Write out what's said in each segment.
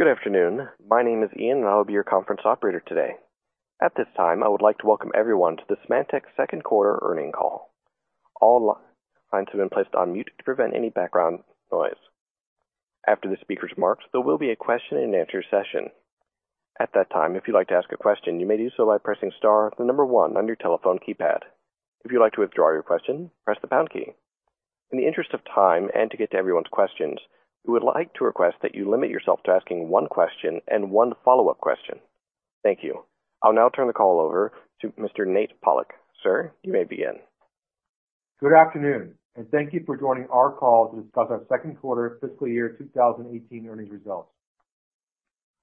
Good afternoon. My name is Ian. I will be your conference operator today. At this time, I would like to welcome everyone to the Symantec second quarter earnings call. All lines have been placed on mute to prevent any background noise. After the speaker's remarks, there will be a question and answer session. At that time, if you'd like to ask a question, you may do so by pressing star one on your telephone keypad. If you'd like to withdraw your question, press the pound key. In the interest of time and to get to everyone's questions, we would like to request that you limit yourself to asking one question and one follow-up question. Thank you. I'll now turn the call over to Mr. Nate Pollack. Sir, you may begin. Good afternoon. Thank you for joining our call to discuss our second quarter fiscal year 2018 earnings results.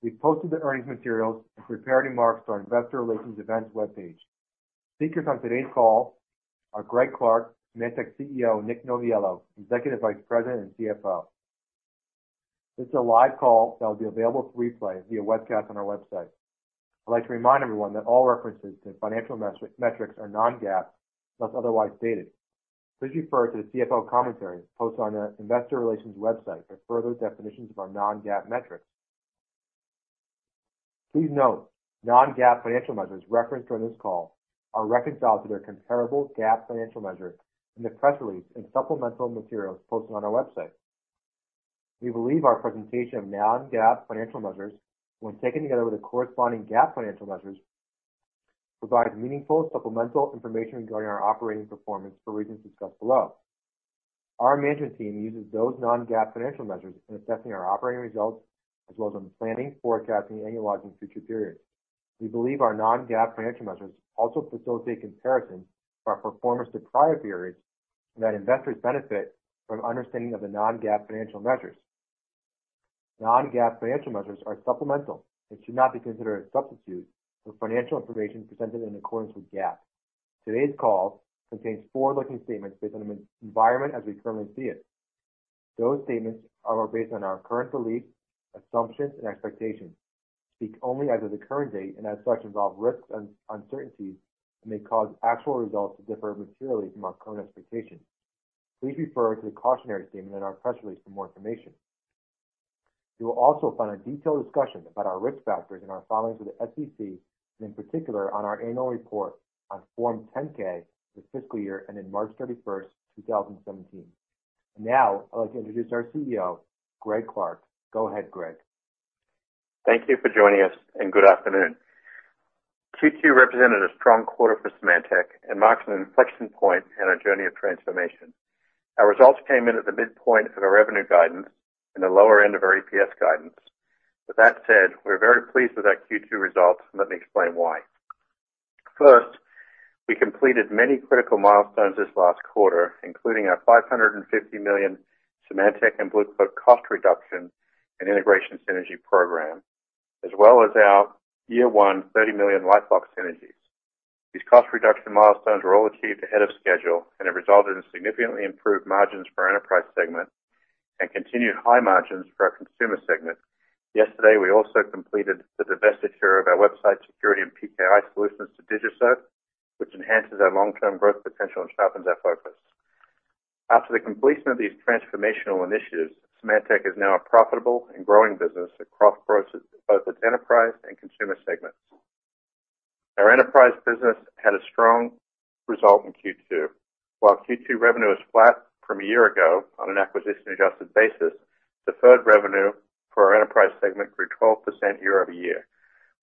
We've posted the earnings materials and prepared remarks to our investor relations events webpage. Speakers on today's call are Greg Clark, Symantec CEO, Nicholas Noviello, Executive Vice President and CFO. This is a live call that will be available to replay via webcast on our website. I'd like to remind everyone that all references to financial metrics are non-GAAP, unless otherwise stated. Please refer to the CFO commentary posted on our investor relations website for further definitions of our non-GAAP metrics. Please note, non-GAAP financial measures referenced during this call are reconciled to their comparable GAAP financial measure in the press release and supplemental materials posted on our website. We believe our presentation of non-GAAP financial measures, when taken together with the corresponding GAAP financial measures, provide meaningful supplemental information regarding our operating performance for reasons discussed below. Our management team uses those non-GAAP financial measures in assessing our operating results as well as on planning, forecasting, and analyzing future periods. We believe our non-GAAP financial measures also facilitate comparison of our performance to prior periods. Investors benefit from understanding of the non-GAAP financial measures. Non-GAAP financial measures are supplemental and should not be considered a substitute for financial information presented in accordance with GAAP. Today's call contains forward-looking statements based on an environment as we currently see it. Those statements are based on our current beliefs, assumptions, and expectations, speak only as of the current date. As such, involve risks and uncertainties that may cause actual results to differ materially from our current expectations. Please refer to the cautionary statement in our press release for more information. You will also find a detailed discussion about our risk factors in our filings with the SEC and in particular on our annual report on Form 10-K for fiscal year ending March 31st, 2017. Now, I'd like to introduce our CEO, Greg Clark. Go ahead, Greg. Thank you for joining us and good afternoon. Q2 represented a strong quarter for Symantec and marks an inflection point in our journey of transformation. Our results came in at the midpoint of our revenue guidance and the lower end of our EPS guidance. We're very pleased with our Q2 results. Let me explain why. First, we completed many critical milestones this last quarter, including our $550 million Symantec and Blue Coat cost reduction and integration synergy program, as well as our year one $30 million LifeLock synergies. These cost reduction milestones were all achieved ahead of schedule and have resulted in significantly improved margins for our enterprise segment and continued high margins for our consumer segment. Yesterday, we also completed the divestiture of our website security and PKI solutions to DigiCert, which enhances our long-term growth potential and sharpens our focus. After the completion of these transformational initiatives, Symantec is now a profitable and growing business across both its enterprise and consumer segments. Our enterprise business had a strong result in Q2. While Q2 revenue is flat from a year ago on an acquisition-adjusted basis, deferred revenue for our enterprise segment grew 12% year-over-year.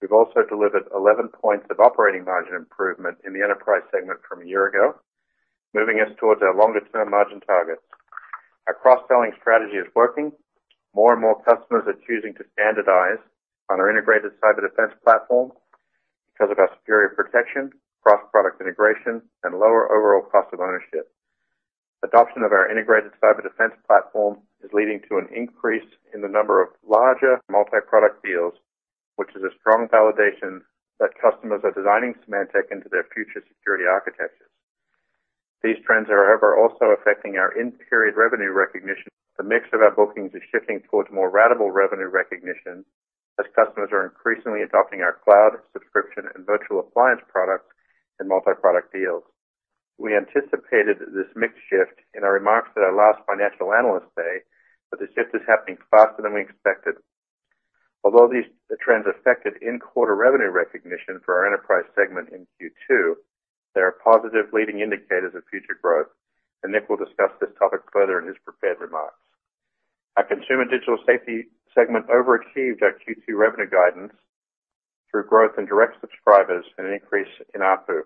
We've also delivered 11 points of operating margin improvement in the enterprise segment from a year ago, moving us towards our longer-term margin targets. Our cross-selling strategy is working. More and more customers are choosing to standardize on our Integrated Cyber Defense platform because of our superior protection, cross-product integration, and lower overall cost of ownership. Adoption of our Integrated Cyber Defense platform is leading to an increase in the number of larger multi-product deals, which is a strong validation that customers are designing Symantec into their future security architectures. These trends are, however, also affecting our in-period revenue recognition. The mix of our bookings is shifting towards more ratable revenue recognition as customers are increasingly adopting our cloud, subscription, and virtual appliance products in multi-product deals. We anticipated this mix shift in our remarks at our last financial analyst day. The shift is happening faster than we expected. Although these trends affected in-quarter revenue recognition for our enterprise segment in Q2, they are positive leading indicators of future growth. Nick will discuss this topic further in his prepared remarks. Our Consumer Digital Safety segment overachieved our Q2 revenue guidance through growth in direct subscribers and an increase in ARPU.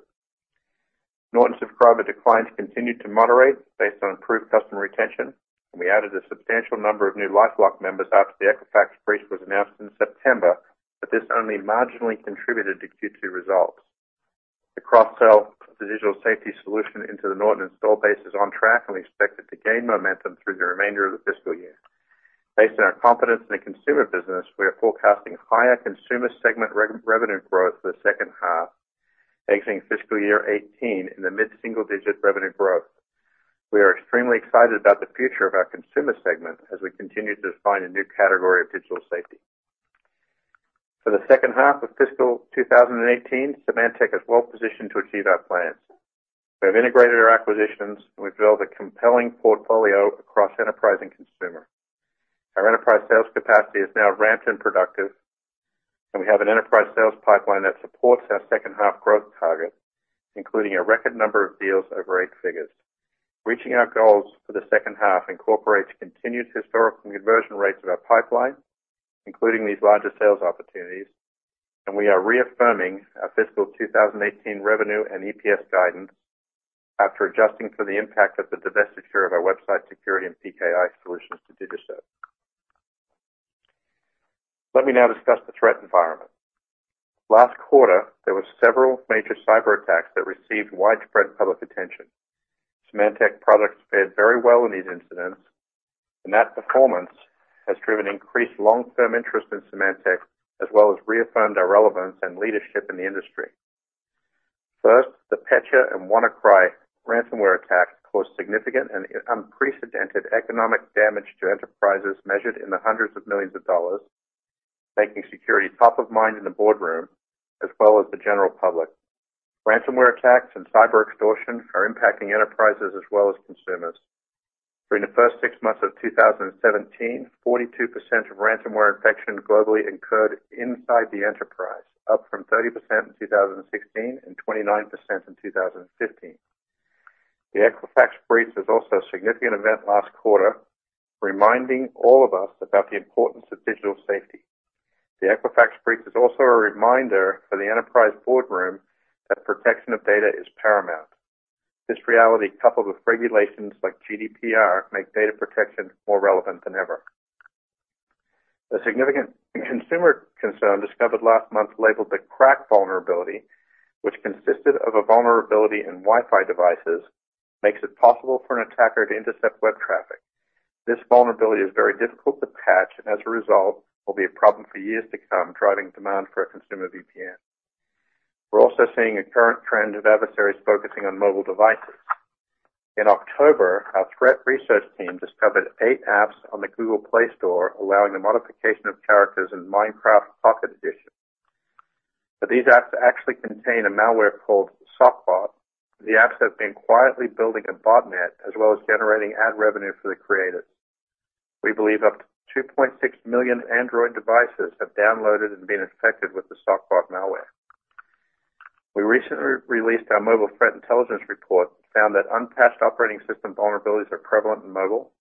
Norton subscriber declines continued to moderate based on improved customer retention. We added a substantial number of new LifeLock members after the Equifax breach was announced in September. This only marginally contributed to Q2 results. The cross-sell of the digital safety solution into the Norton install base is on track. We expect it to gain momentum through the remainder of the fiscal year. Based on our confidence in the consumer business, we are forecasting higher consumer segment revenue growth for the second half, exiting fiscal year 2018 in the mid-single-digit revenue growth. We are extremely excited about the future of our consumer segment as we continue to define a new category of digital safety. For the second half of fiscal 2018, Symantec is well-positioned to achieve our plans. We have integrated our acquisitions. We've built a compelling portfolio across enterprise and consumer. Our enterprise sales capacity is now ramped and productive. We have an enterprise sales pipeline that supports our second half growth target, including a record number of deals over eight figures. Reaching our goals for the second half incorporates continued historical conversion rates of our pipeline, including these larger sales opportunities, and we are reaffirming our fiscal 2018 revenue and EPS guidance after adjusting for the impact of the divestiture of our website security and PKI solutions to DigiCert. Let me now discuss the threat environment. Last quarter, there were several major cyberattacks that received widespread public attention. Symantec products fared very well in these incidents, and that performance has driven increased long-term interest in Symantec, as well as reaffirmed our relevance and leadership in the industry. First, the Petya and WannaCry ransomware attacks caused significant and unprecedented economic damage to enterprises measured in the hundreds of millions of dollars, making security top of mind in the boardroom, as well as the general public. Ransomware attacks and cyber extortion are impacting enterprises as well as consumers. During the first six months of 2017, 42% of ransomware infections globally occurred inside the enterprise, up from 30% in 2016 and 29% in 2015. The Equifax breach was also a significant event last quarter, reminding all of us about the importance of digital safety. The Equifax breach is also a reminder for the enterprise boardroom that protection of data is paramount. This reality, coupled with regulations like GDPR, make data protection more relevant than ever. A significant consumer concern discovered last month, labeled the KRACK vulnerability, which consisted of a vulnerability in Wi-Fi devices, makes it possible for an attacker to intercept web traffic. This vulnerability is very difficult to patch, and as a result, will be a problem for years to come, driving demand for a consumer VPN. We're also seeing a current trend of adversaries focusing on mobile devices. In October, our threat research team discovered eight apps on the Google Play Store allowing the modification of characters in "Minecraft: Pocket Edition." These apps actually contain a malware called Sockbot. The apps have been quietly building a botnet, as well as generating ad revenue for the creators. We believe up to 2.6 million Android devices have downloaded and been infected with the Sockbot malware. We recently released our Mobile Threat Intelligence Report that found that unpatched operating system vulnerabilities are prevalent in mobile.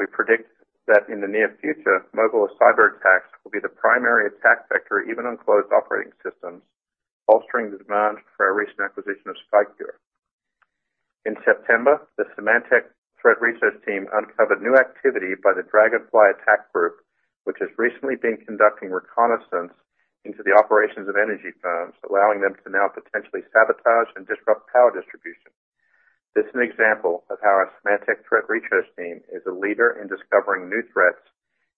We predict that in the near future, mobile cyberattacks will be the primary attack vector, even on closed operating systems, bolstering the demand for our recent acquisition of Skycure. In September, the Symantec Threat Hunter Team uncovered new activity by the Dragonfly attack group, which has recently been conducting reconnaissance into the operations of energy firms, allowing them to now potentially sabotage and disrupt power distribution. This is an example of how our Symantec Threat Hunter Team is a leader in discovering new threats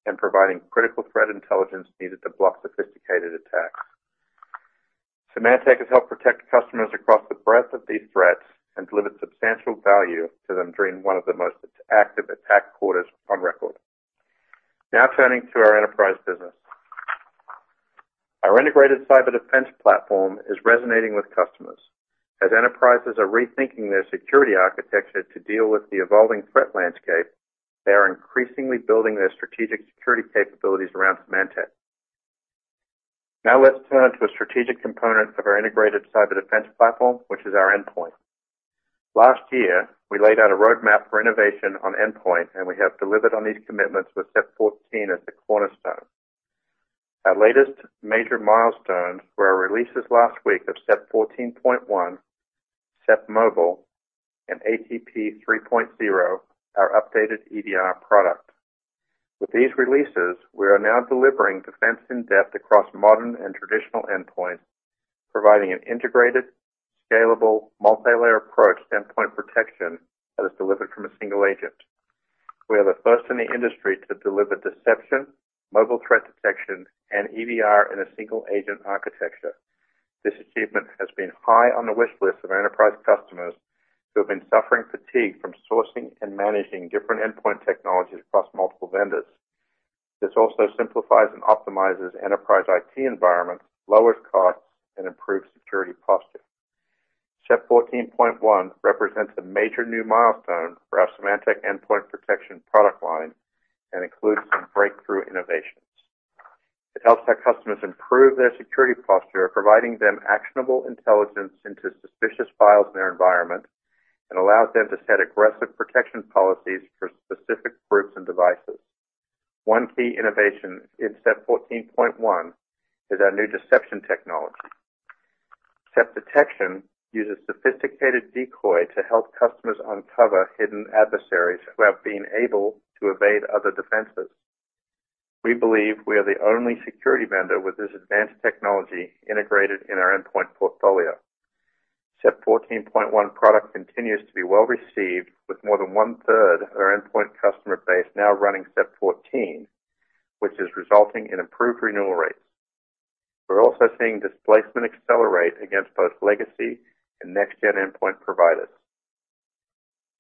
and providing critical threat intelligence needed to block sophisticated attacks. Symantec has helped protect customers across the breadth of these threats and delivered substantial value to them during one of the most active attack quarters on record. Turning to our enterprise business. Our Integrated Cyber Defense platform is resonating with customers. As enterprises are rethinking their security architecture to deal with the evolving threat landscape, they are increasingly building their strategic security capabilities around Symantec. Let's turn to a strategic component of our Integrated Cyber Defense platform, which is our endpoint. Last year, we laid out a roadmap for innovation on endpoint, and we have delivered on these commitments with SEP 14 as the cornerstone. Our latest major milestones were our releases last week of SEP 14.1, SEP Mobile, and ATP 3.0, our updated EDR product. With these releases, we are now delivering defense in-depth across modern and traditional endpoints, providing an integrated, scalable, multilayer approach to endpoint protection that is delivered from a single agent. We are the first in the industry to deliver deception, mobile threat detection, and EDR in a single-agent architecture. This achievement has been high on the wish list of enterprise customers who have been suffering fatigue from sourcing and managing different endpoint technologies across multiple vendors. This also simplifies and optimizes enterprise IT environments, lowers costs, and improves security posture. SEP 14.1 represents a major new milestone for our Symantec Endpoint Protection product line and includes some breakthrough innovations. It helps our customers improve their security posture, providing them actionable intelligence into suspicious files in their environment and allows them to set aggressive protection policies for specific groups and devices. One key innovation in SEP 14.1 is our new deception technology. SEP deception uses sophisticated decoy to help customers uncover hidden adversaries who have been able to evade other defenses. We believe we are the only security vendor with this advanced technology integrated in our endpoint portfolio. SEP 14.1 product continues to be well received with more than one-third of our endpoint customer base now running SEP 14, which is resulting in improved renewal rates. We're also seeing displacement accelerate against both legacy and next-gen endpoint providers.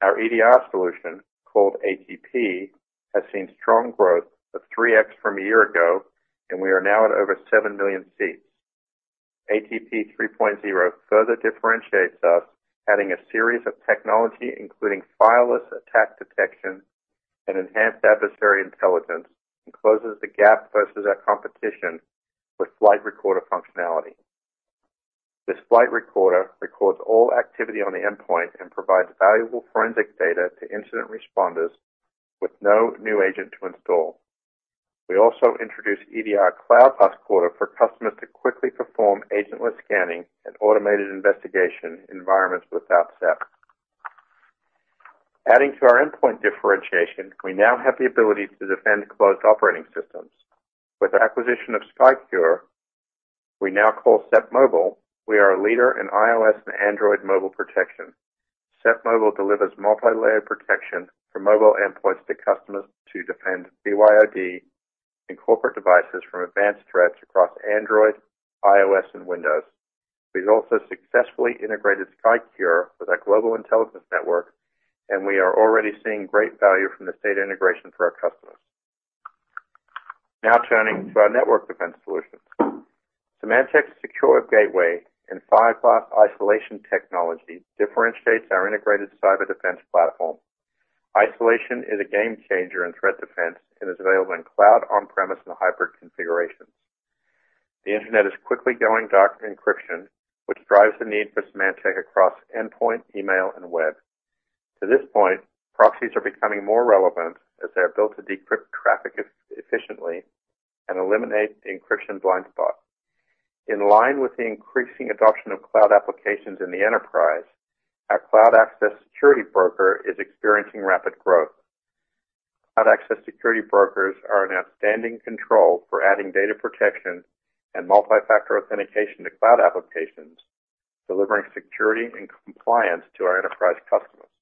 Our EDR solution, called ATP, has seen strong growth of 3x from a year ago, and we are now at over 7 million seats. ATP 3.0 further differentiates us, adding a series of technology, including fileless attack detection and enhanced adversary intelligence, and closes the gap versus our competition with flight recorder functionality. This flight recorder records all activity on the endpoint and provides valuable forensic data to incident responders with no new agent to install. We also introduced EDR Cloud Last Quarter for customers to quickly perform agentless scanning and automated investigation in environments without SEP. Adding to our endpoint differentiation, we now have the ability to defend closed operating systems. With the acquisition of Skycure, we now call SEP Mobile, we are a leader in iOS and Android mobile protection. SEP Mobile delivers multi-layered protection for mobile endpoints to customers to defend BYOD and corporate devices from advanced threats across Android, iOS, and Windows. We've also successfully integrated Skycure with our Global Intelligence Network, and we are already seeing great value from this data integration for our customers. Turning to our network defense solutions. Symantec Secure Gateway and Fireglass isolation technology differentiates our Integrated Cyber Defense platform. Isolation is a game changer in threat defense and is available in cloud, on-premise, and hybrid configurations. The internet is quickly going dark encryption, which drives the need for Symantec across endpoint, email, and web. To this point, proxies are becoming more relevant as they are built to decrypt traffic efficiently and eliminate the encryption blind spot. In line with the increasing adoption of cloud applications in the enterprise, our Cloud Access Security Broker is experiencing rapid growth. Cloud Access Security Brokers are an outstanding control for adding data protection and multi-factor authentication to cloud applications, delivering security and compliance to our enterprise customers.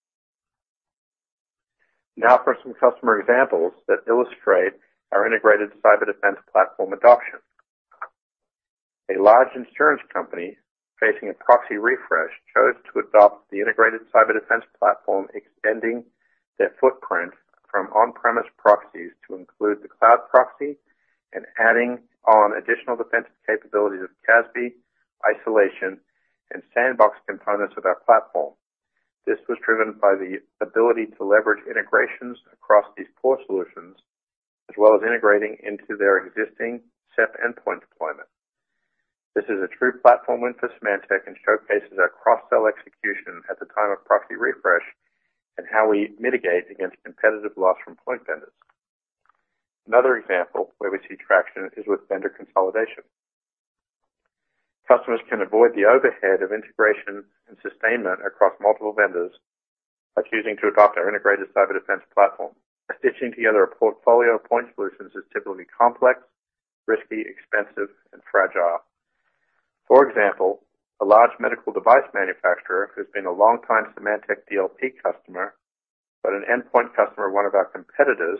Now for some customer examples that illustrate our Integrated Cyber Defense platform adoption. A large insurance company facing a proxy refresh chose to adopt the Integrated Cyber Defense platform, extending their footprint from on-premise proxies to include the Cloud Proxy and adding on additional defensive capabilities of CASB, isolation, and sandbox components of our platform. This was driven by the ability to leverage integrations across these core solutions, as well as integrating into their existing SEP endpoint deployment. This is a true platform win for Symantec and showcases our cross-sell execution at the time of proxy refresh and how we mitigate against competitive loss from point vendors. Another example where we see traction is with vendor consolidation. Customers can avoid the overhead of integration and sustainment across multiple vendors by choosing to adopt our Integrated Cyber Defense platform. Stitching together a portfolio of point solutions is typically complex, risky, expensive, and fragile. For example, a large medical device manufacturer who has been a long-time Symantec DLP customer, but an endpoint customer of one of our competitors,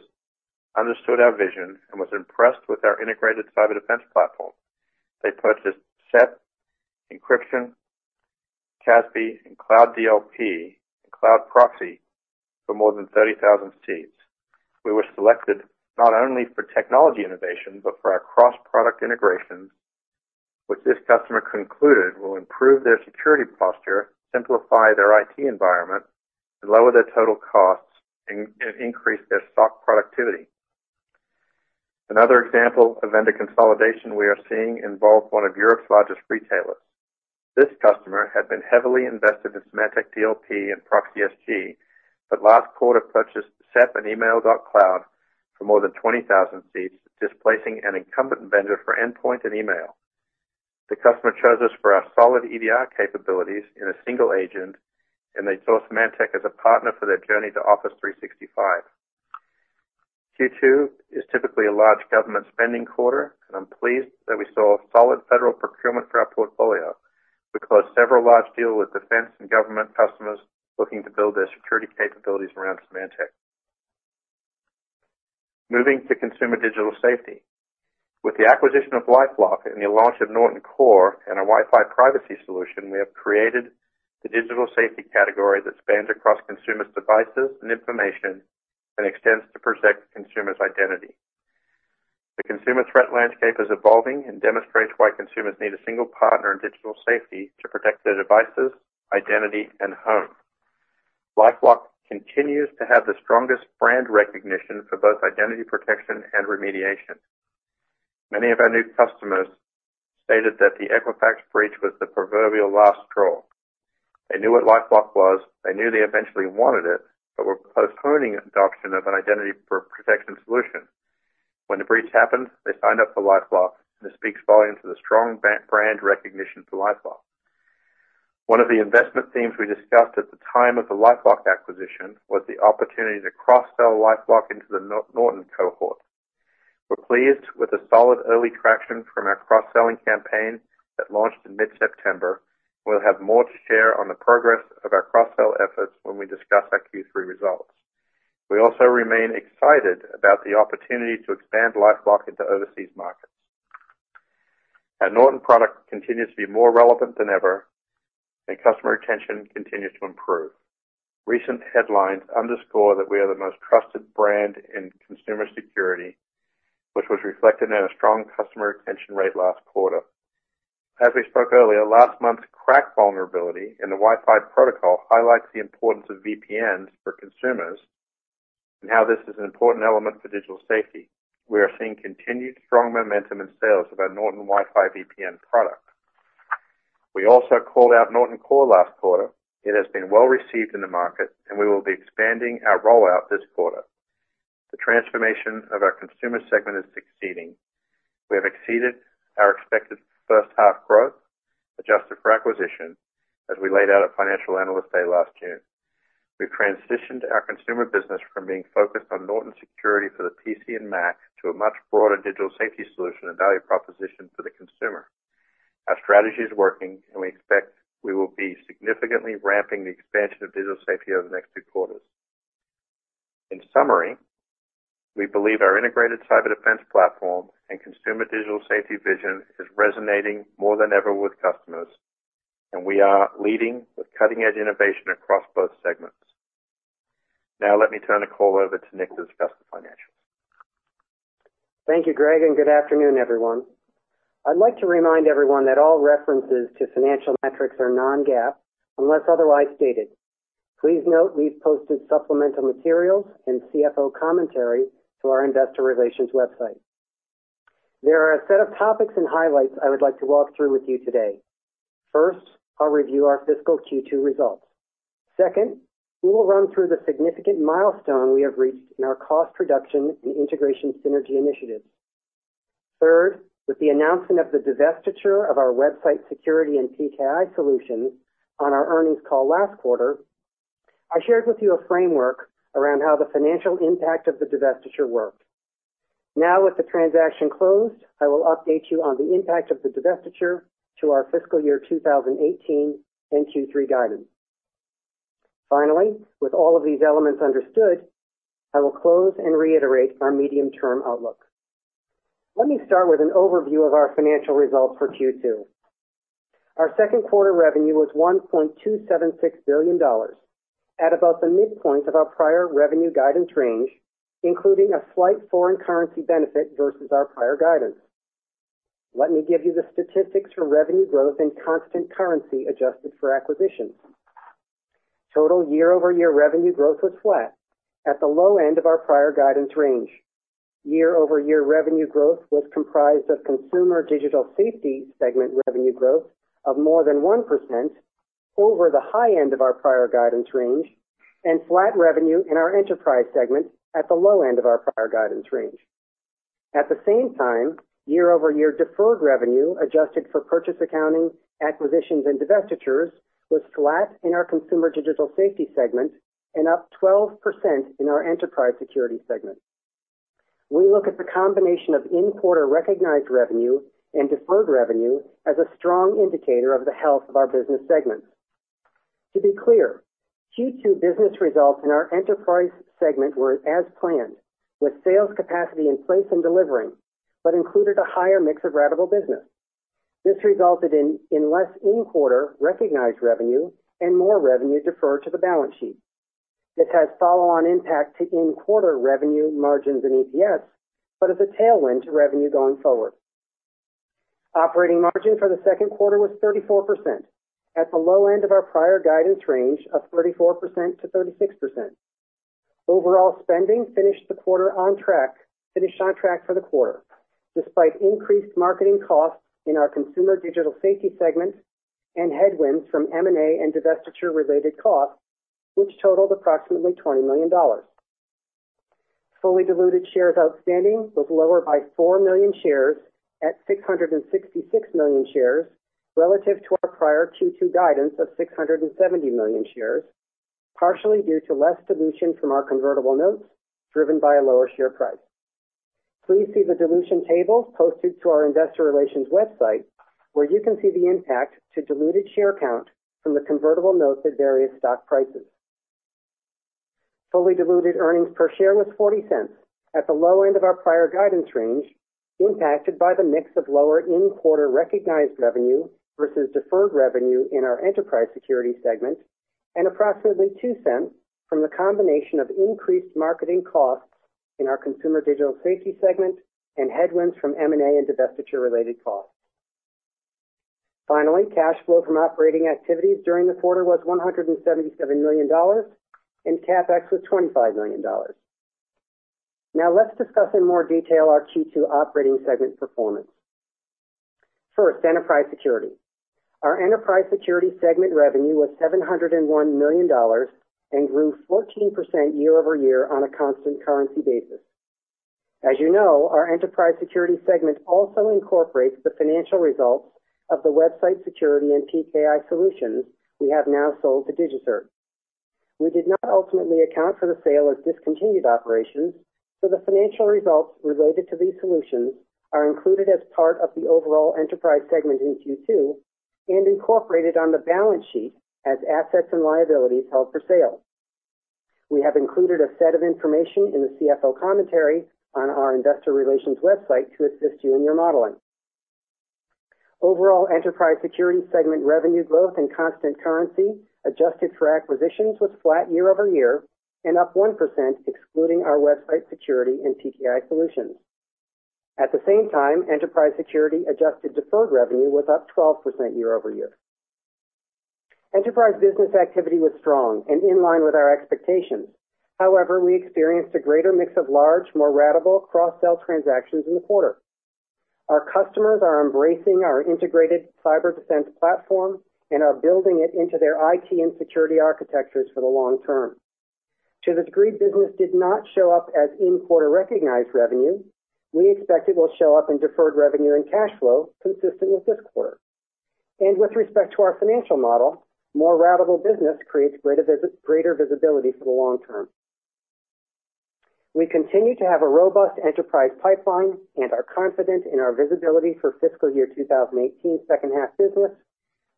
understood our vision and was impressed with our Integrated Cyber Defense platform. They purchased SEP, encryption, CASB, Cloud DLP, and Cloud Proxy for more than 30,000 seats. We were selected not only for technology innovation, but for our cross-product integrations, which this customer concluded will improve their security posture, simplify their IT environment, and lower their total costs and increase their SOC productivity. Another example of vendor consolidation we are seeing involved one of Europe's largest retailers. This customer had been heavily invested in Symantec DLP and ProxySG, but last quarter purchased SEP and Email Security.cloud for more than 20,000 seats, displacing an incumbent vendor for endpoint and email. The customer chose us for our solid EDR capabilities in a single agent, and they saw Symantec as a partner for their journey to Office 365. Q2 is typically a large government spending quarter, and I am pleased that we saw solid federal procurement for our portfolio. We closed several large deals with defense and government customers looking to build their security capabilities around Symantec. Moving to Consumer Digital Safety. With the acquisition of LifeLock and the launch of Norton Core and our Norton WiFi Privacy solution, we have created the digital safety category that spans across consumers' devices and information and extends to protect consumers' identity. The consumer threat landscape is evolving and demonstrates why consumers need a single partner in digital safety to protect their devices, identity, and home. LifeLock continues to have the strongest brand recognition for both identity protection and remediation. Many of our new customers stated that the Equifax breach was the proverbial last straw. They knew what LifeLock was, they knew they eventually wanted it, but were postponing adoption of an identity protection solution. When the breach happened, they signed up for LifeLock, and this speaks volume to the strong brand recognition for LifeLock. One of the investment themes we discussed at the time of the LifeLock acquisition was the opportunity to cross-sell LifeLock into the Norton cohort. We are pleased with the solid early traction from our cross-selling campaign that launched in mid-September. We will have more to share on the progress of our cross-sell efforts when we discuss our Q3 results. We also remain excited about the opportunity to expand LifeLock into overseas markets. Our Norton product continues to be more relevant than ever, and customer retention continues to improve. Recent headlines underscore that we are the most trusted brand in consumer security, which was reflected in a strong customer retention rate last quarter. As we spoke earlier, last month's KRACK vulnerability in the Wi-Fi protocol highlights the importance of VPNs for consumers and how this is an important element for digital safety. We are seeing continued strong momentum in sales of our Norton Wi-Fi VPN product. We also called out Norton Core last quarter. It has been well-received in the market, and we will be expanding our rollout this quarter. The transformation of our consumer segment is succeeding. We have exceeded our expected first half growth, adjusted for acquisition, as we laid out at financial analyst day last June. We've transitioned our consumer business from being focused on Norton security for the PC and Mac to a much broader digital safety solution and value proposition for the consumer. Our strategy is working, and we expect we will be significantly ramping the expansion of digital safety over the next two quarters. In summary, we believe our Integrated Cyber Defense platform and consumer digital safety vision is resonating more than ever with customers, and we are leading with cutting-edge innovation across both segments. Now let me turn the call over to Nick to discuss the financials. Thank you, Greg, and good afternoon, everyone. I'd like to remind everyone that all references to financial metrics are non-GAAP, unless otherwise stated. Please note we've posted supplemental materials and CFO commentary to our investor relations website. There are a set of topics and highlights I would like to walk through with you today. First, I'll review our fiscal Q2 results. Second, we will run through the significant milestone we have reached in our cost reduction and integration synergy initiatives. Third, with the announcement of the divestiture of our website security and PKI solutions on our earnings call last quarter, I shared with you a framework around how the financial impact of the divestiture worked. Now, with the transaction closed, I will update you on the impact of the divestiture to our fiscal year 2018 Q3 guidance. With all of these elements understood, I will close and reiterate our medium-term outlook. Let me start with an overview of our financial results for Q2. Our second quarter revenue was $1.276 billion at about the midpoint of our prior revenue guidance range, including a slight foreign currency benefit versus our prior guidance. Let me give you the statistics for revenue growth and constant currency adjusted for acquisitions. Total year-over-year revenue growth was flat at the low end of our prior guidance range. Year-over-year revenue growth was comprised of Consumer Digital Safety segment revenue growth of more than 1% over the high end of our prior guidance range and flat revenue in our enterprise segment at the low end of our prior guidance range. At the same time, year-over-year deferred revenue, adjusted for purchase accounting, acquisitions, and divestitures, was flat in our Consumer Digital Safety segment and up 12% in our Enterprise Security segment. We look at the combination of in-quarter recognized revenue and deferred revenue as a strong indicator of the health of our business segments. To be clear, Q2 business results in our enterprise segment were as planned, with sales capacity in place and delivering, but included a higher mix of ratable business. This resulted in less in-quarter recognized revenue and more revenue deferred to the balance sheet. This has follow-on impact to in-quarter revenue margins and EPS, but is a tailwind to revenue going forward. Operating margin for the second quarter was 34%, at the low end of our prior guidance range of 34%-36%. Overall spending finished on track for the quarter, despite increased marketing costs in our Consumer Digital Safety segment and headwinds from M&A and divestiture-related costs, which totaled approximately $20 million. Fully diluted shares outstanding was lower by 4 million shares at 666 million shares relative to our prior Q2 guidance of 670 million shares, partially due to less dilution from our convertible notes driven by a lower share price. Please see the dilution table posted to our investor relations website, where you can see the impact to diluted share count from the convertible notes at various stock prices. Fully diluted earnings per share was $0.40 at the low end of our prior guidance range, impacted by the mix of lower in-quarter recognized revenue versus deferred revenue in our Enterprise Security segment and approximately $0.02 from the combination of increased marketing costs in our Consumer Digital Safety segment and headwinds from M&A and divestiture-related costs. Finally, cash flow from operating activities during the quarter was $177 million, and CapEx was $25 million. Now let's discuss in more detail our Q2 operating segment performance. First, Enterprise Security. Our Enterprise Security segment revenue was $701 million and grew 14% year-over-year on a constant currency basis. As you know, our Enterprise Security segment also incorporates the financial results of the website security and PKI solutions we have now sold to DigiCert. We did not ultimately account for the sale of discontinued operations, so the financial results related to these solutions are included as part of the overall Enterprise segment in Q2 and incorporated on the balance sheet as assets and liabilities held for sale. We have included a set of information in the CFO commentary on our investor relations website to assist you in your modeling. Overall, Enterprise Security segment revenue growth and constant currency adjusted for acquisitions was flat year-over-year and up 1% excluding our website security and PKI solutions. At the same time, Enterprise Security adjusted deferred revenue was up 12% year-over-year. Enterprise business activity was strong and in line with our expectations. However, we experienced a greater mix of large, more ratable cross-sell transactions in the quarter. Our customers are embracing our Integrated Cyber Defense platform and are building it into their IT and security architectures for the long term. To the degree business did not show up as in-quarter recognized revenue, we expect it will show up in deferred revenue and cash flow consistent with this quarter. With respect to our financial model, more ratable business creates greater visibility for the long term. We continue to have a robust enterprise pipeline and are confident in our visibility for fiscal year 2018 second half business,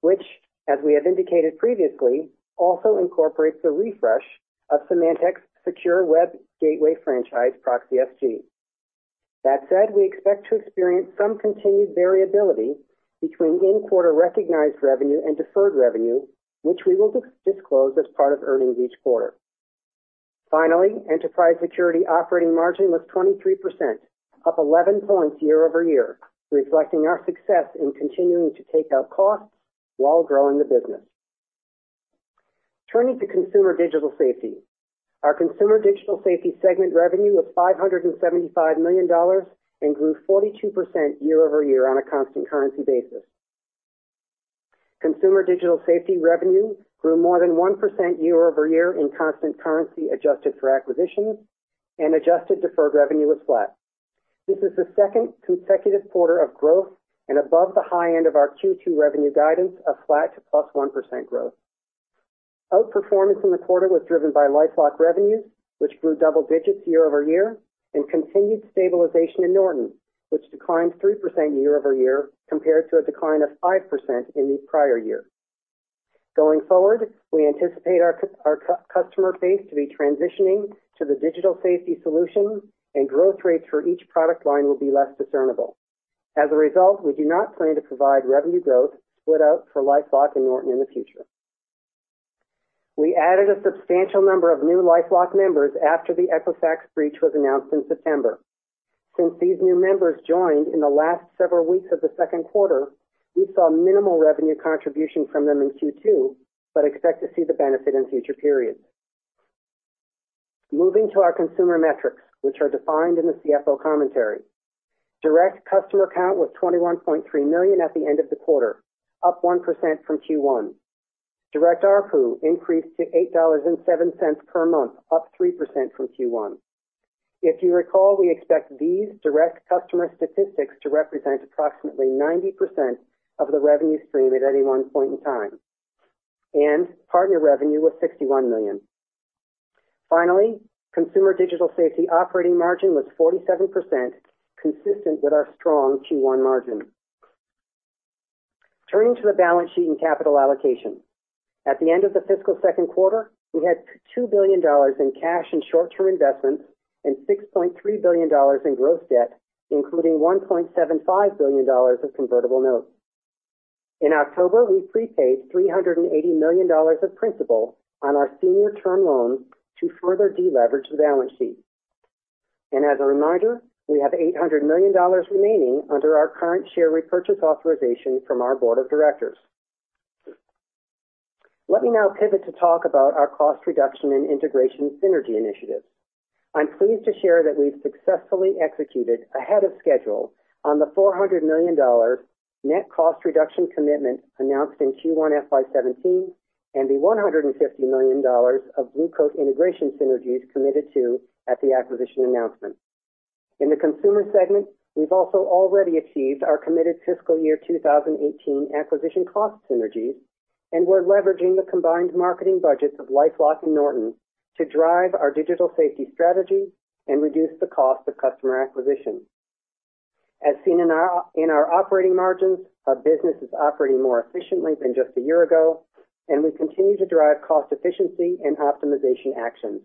which, as we have indicated previously, also incorporates the refresh of Symantec's Secure Web Gateway franchise, ProxySG. That said, we expect to experience some continued variability between in-quarter recognized revenue and deferred revenue, which we will disclose as part of earnings each quarter. Finally, Enterprise Security operating margin was 23%, up 11 points year-over-year, reflecting our success in continuing to take out costs while growing the business. Turning to Consumer Digital Safety. Our Consumer Digital Safety segment revenue was $575 million and grew 42% year-over-year on a constant currency basis. Consumer Digital Safety revenue grew more than 1% year-over-year in constant currency adjusted for acquisitions, and adjusted deferred revenue was flat. This is the second consecutive quarter of growth and above the high end of our Q2 revenue guidance of flat to plus 1% growth. Outperformance in the quarter was driven by LifeLock revenues, which grew double digits year-over-year, and continued stabilization in Norton, which declined 3% year-over-year compared to a decline of 5% in the prior year. Going forward, we anticipate our customer base to be transitioning to the digital safety solution, and growth rates for each product line will be less discernible. As a result, we do not plan to provide revenue growth split out for LifeLock and Norton in the future. We added a substantial number of new LifeLock members after the Equifax breach was announced in September. Since these new members joined in the last several weeks of the second quarter, we saw minimal revenue contribution from them in Q2 but expect to see the benefit in future periods. Moving to our consumer metrics, which are defined in the CFO commentary. Direct customer count was 21.3 million at the end of the quarter, up 1% from Q1. Direct ARPU increased to $8.07 per month, up 3% from Q1. If you recall, we expect these direct customer statistics to represent approximately 90% of the revenue stream at any one point in time. Partner revenue was $61 million. Finally, Consumer Digital Safety operating margin was 47%, consistent with our strong Q1 margin. Turning to the balance sheet and capital allocation. At the end of the fiscal second quarter, we had $2 billion in cash and short-term investments and $6.3 billion in gross debt, including $1.75 billion of convertible notes. In October, we prepaid $380 million of principal on our senior term loan to further deleverage the balance sheet. As a reminder, we have $800 million remaining under our current share repurchase authorization from our board of directors. Let me now pivot to talk about our cost reduction and integration synergy initiatives. I'm pleased to share that we've successfully executed ahead of schedule on the $400 million net cost reduction commitment announced in Q1 FY 2017 and the $150 million of Blue Coat integration synergies committed to at the acquisition announcement. In the consumer segment, we've also already achieved our committed fiscal year 2018 acquisition cost synergies, and we're leveraging the combined marketing budgets of LifeLock and Norton to drive our digital safety strategy and reduce the cost of customer acquisition. As seen in our operating margins, our business is operating more efficiently than just a year ago. We continue to drive cost efficiency and optimization actions.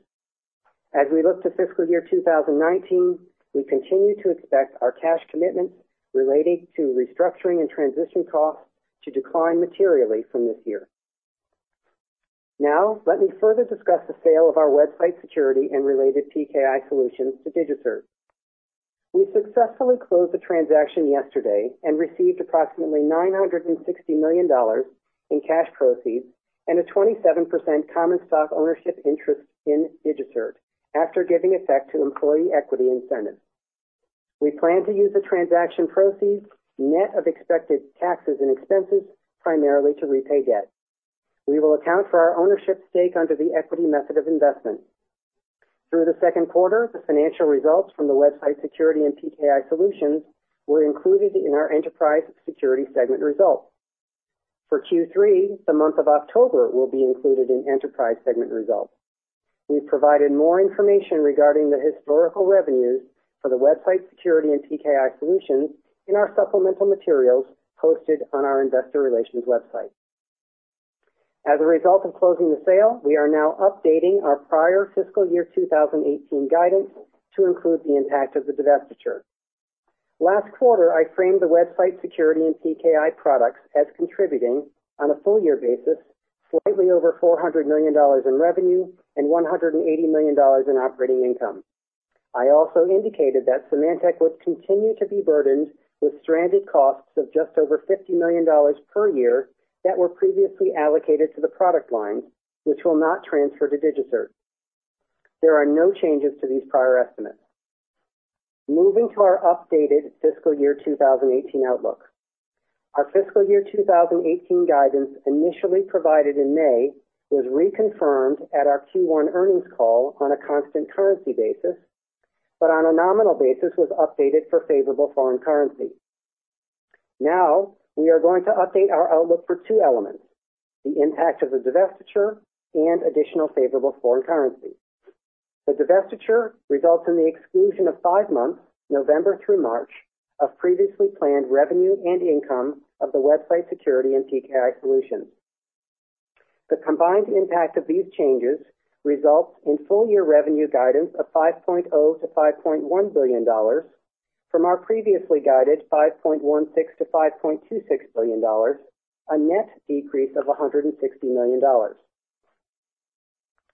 As we look to fiscal year 2019, we continue to expect our cash commitments relating to restructuring and transition costs to decline materially from this year. Let me further discuss the sale of our website security and related PKI solutions to DigiCert. We successfully closed the transaction yesterday and received approximately $960 million in cash proceeds and a 27% common stock ownership interest in DigiCert after giving effect to employee equity incentive. We plan to use the transaction proceeds, net of expected taxes and expenses, primarily to repay debt. We will account for our ownership stake under the equity method of investment. Through the second quarter, the financial results from the website security and PKI solutions were included in our Enterprise Security segment results. For Q3, the month of October will be included in Enterprise segment results. We've provided more information regarding the historical revenues for the website security and PKI solutions in our supplemental materials hosted on our investor relations website. As a result of closing the sale, we are now updating our prior fiscal year 2018 guidance to include the impact of the divestiture. Last quarter, I framed the Website Security and PKI products as contributing, on a full year basis, slightly over $400 million in revenue and $180 million in operating income. I also indicated that Symantec would continue to be burdened with stranded costs of just over $50 million per year that were previously allocated to the product line, which will not transfer to DigiCert. There are no changes to these prior estimates. Moving to our updated fiscal year 2018 outlook. Our fiscal year 2018 guidance initially provided in May was reconfirmed at our Q1 earnings call on a constant currency basis. On a nominal basis was updated for favorable foreign currency. We are going to update our outlook for two elements, the impact of the divestiture and additional favorable foreign currency. The divestiture results in the exclusion of 5 months, November through March, of previously planned revenue and income of the Website Security and PKI Solutions. The combined impact of these changes results in full-year revenue guidance of $5.0 billion-$5.1 billion from our previously guided $5.16 billion-$5.26 billion, a net decrease of $160 million.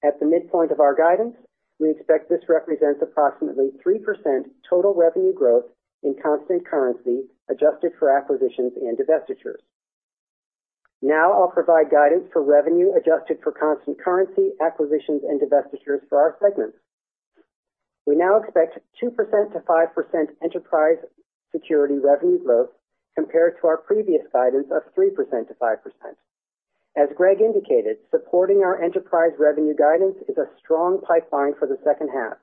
At the midpoint of our guidance, we expect this represents approximately 3% total revenue growth in constant currency, adjusted for acquisitions and divestitures. I'll provide guidance for revenue adjusted for constant currency, acquisitions, and divestitures for our segments. We now expect 2%-5% Enterprise Security revenue growth compared to our previous guidance of 3%-5%. As Greg indicated, supporting our enterprise revenue guidance is a strong pipeline for the second half,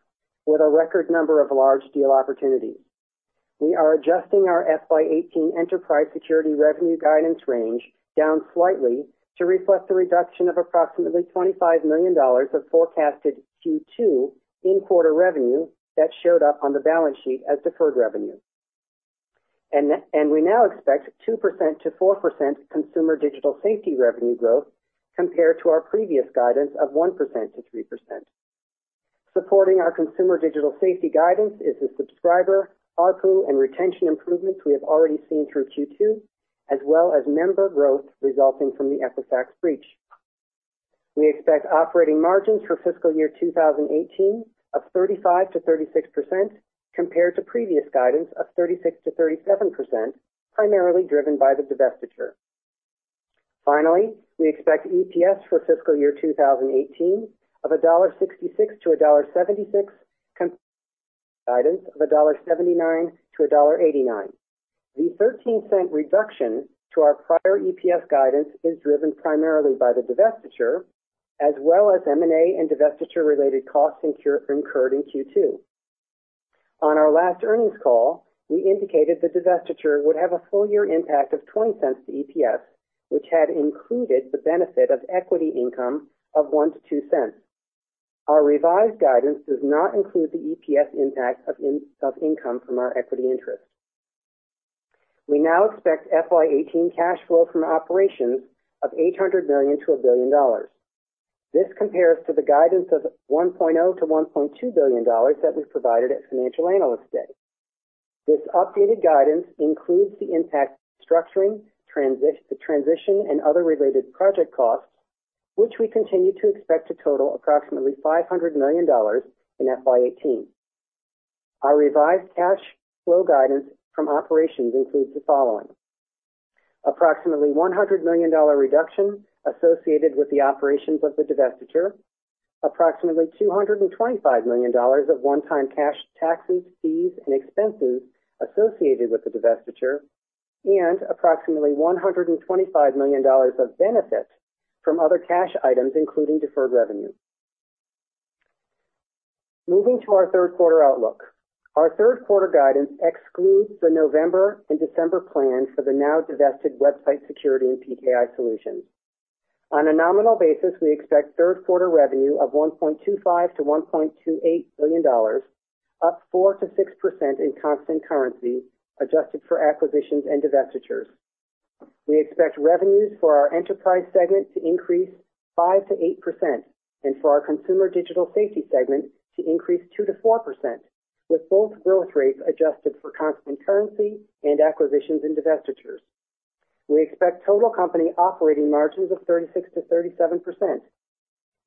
with a record number of large deal opportunities. We are adjusting our FY 2018 Enterprise Security revenue guidance range down slightly to reflect the reduction of approximately $25 million of forecasted Q2 in-quarter revenue that showed up on the balance sheet as deferred revenue. We now expect 2%-4% Consumer Digital Safety revenue growth compared to our previous guidance of 1%-3%. Supporting our Consumer Digital Safety guidance is the subscriber, ARPU, and retention improvements we have already seen through Q2, as well as member growth resulting from the Equifax breach. We expect operating margins for fiscal year 2018 of 35%-36%, compared to previous guidance of 36%-37%, primarily driven by the divestiture. We expect EPS for fiscal year 2018 of $1.66-$1.76 compared to guidance of $1.79-$1.89. The $0.13 reduction to our prior EPS guidance is driven primarily by the divestiture, as well as M&A and divestiture-related costs incurred in Q2. On our last earnings call, we indicated the divestiture would have a full-year impact of $0.20 to EPS, which had included the benefit of equity income of $0.01-$0.02. Our revised guidance does not include the EPS impact of income from our equity interest. We now expect FY 2018 cash flow from operations of $800 million-$1 billion. This compares to the guidance of $1.0 billion-$1.2 billion that we provided at Financial Analyst Day. This updated guidance includes the impact of restructuring, the transition, and other related project costs, which we continue to expect to total approximately $500 million in FY 2018. Our revised cash flow guidance from operations includes the following: approximately $100 million reduction associated with the operations of the divestiture, approximately $225 million of one-time cash taxes, fees, and expenses associated with the divestiture, and approximately $125 million of benefit from other cash items, including deferred revenue. Moving to our third quarter outlook. Our third quarter guidance excludes the November and December plans for the now-divested Website Security and PKI Solutions. We expect third quarter revenue of $1.25 billion-$1.28 billion, up 4%-6% in constant currency, adjusted for acquisitions and divestitures. We expect revenues for our Enterprise segment to increase 5%-8% and for our Consumer Digital Safety segment to increase 2%-4%, with both growth rates adjusted for constant currency and acquisitions and divestitures. We expect total company operating margins of 36%-37%,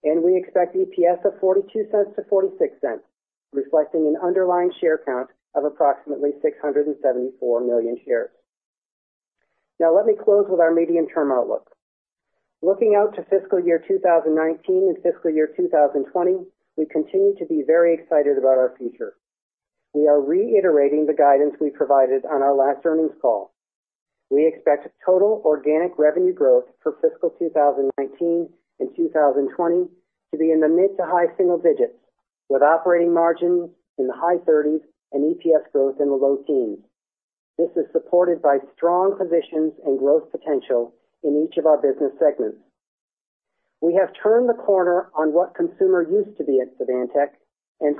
and we expect EPS of $0.42-$0.46, reflecting an underlying share count of approximately 674 million shares. Let me close with our medium-term outlook. Looking out to fiscal year 2019 and fiscal year 2020, we continue to be very excited about our future. We are reiterating the guidance we provided on our last earnings call. We expect total organic revenue growth for fiscal 2019 and 2020 to be in the mid to high single digits, with operating margins in the high 30s and EPS growth in the low teens. This is supported by strong positions and growth potential in each of our business segments. We have turned the corner on what consumer used to be at Symantec.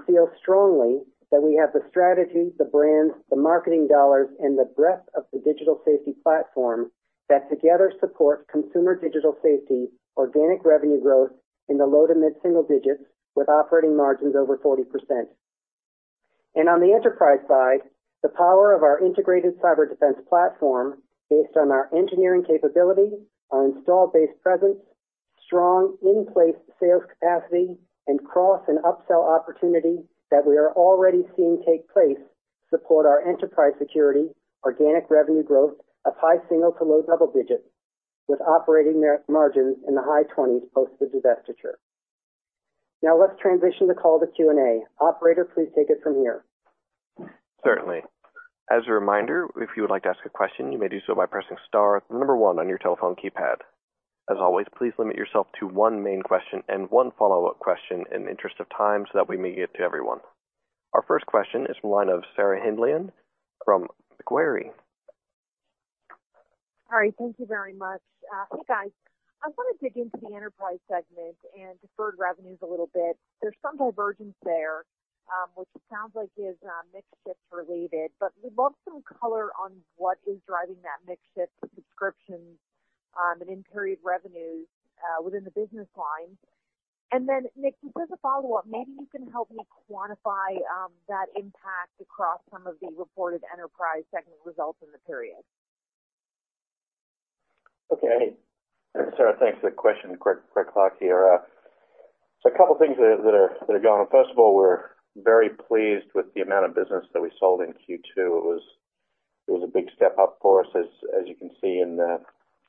Feel strongly that we have the strategy, the brands, the marketing dollars, and the breadth of the digital safety platform that together support Consumer Digital Safety, organic revenue growth in the low to mid-single digits with operating margins over 40%. On the enterprise side, the power of our Integrated Cyber Defense platform based on our engineering capability, our installed base presence, strong in-place sales capacity, and cross and upsell opportunity that we are already seeing take place support our enterprise security, organic revenue growth of high single to low double digits with operating margins in the high 20s post the divestiture. Let's transition the call to Q&A. Operator, please take it from here. Certainly. As a reminder, if you would like to ask a question, you may do so by pressing star then the number 1 on your telephone keypad. As always, please limit yourself to 1 main question and 1 follow-up question in the interest of time so that we may get to everyone. Our first question is from the line of Sarah Hindlian from Macquarie. All right. Thank you very much. Hey, guys. I want to dig into the enterprise segment and deferred revenues a little bit. There's some divergence there, which it sounds like is mix-shift related, but we'd love some color on what is driving that mix shift to subscriptions, and in-period revenues within the business lines. Then Nick, just as a follow-up, maybe you can help me quantify that impact across some of the reported enterprise segment results in the period. Okay, Sarah, thanks for the question. Greg Clark here. A couple things that are going on. First of all, we're very pleased with the amount of business that we sold in Q2. It was a big step up for us as you can see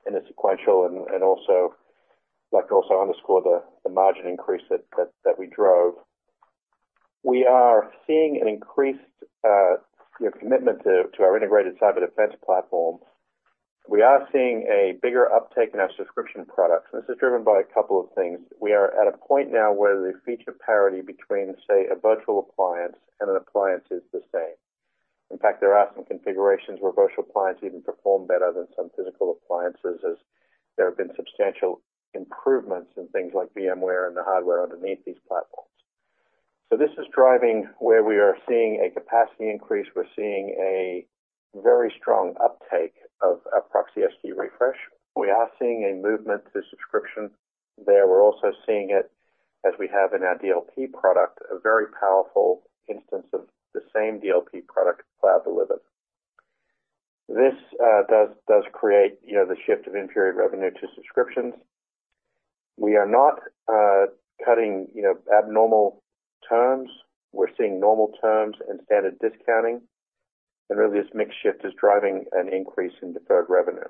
in the sequential and I'd like to also underscore the margin increase that we drove. We are seeing an increased commitment to our Integrated Cyber Defense platform. We are seeing a bigger uptake in our subscription products, and this is driven by a couple of things. We are at a point now where the feature parity between, say, a virtual appliance and an appliance is the same. In fact, there are some configurations where virtual appliances even perform better than some physical appliances, as there have been substantial improvements in things like VMware and the hardware underneath these platforms. This is driving where we are seeing a capacity increase. We're seeing a very strong uptake of ProxySG refresh. We are seeing a movement to subscription there. We're also seeing it as we have in our DLP product, a very powerful instance of the same DLP product, Cloud Delivery. This does create the shift of in-period revenue to subscriptions. We are not cutting abnormal terms. We're seeing normal terms and standard discounting, and really this mix shift is driving an increase in deferred revenue.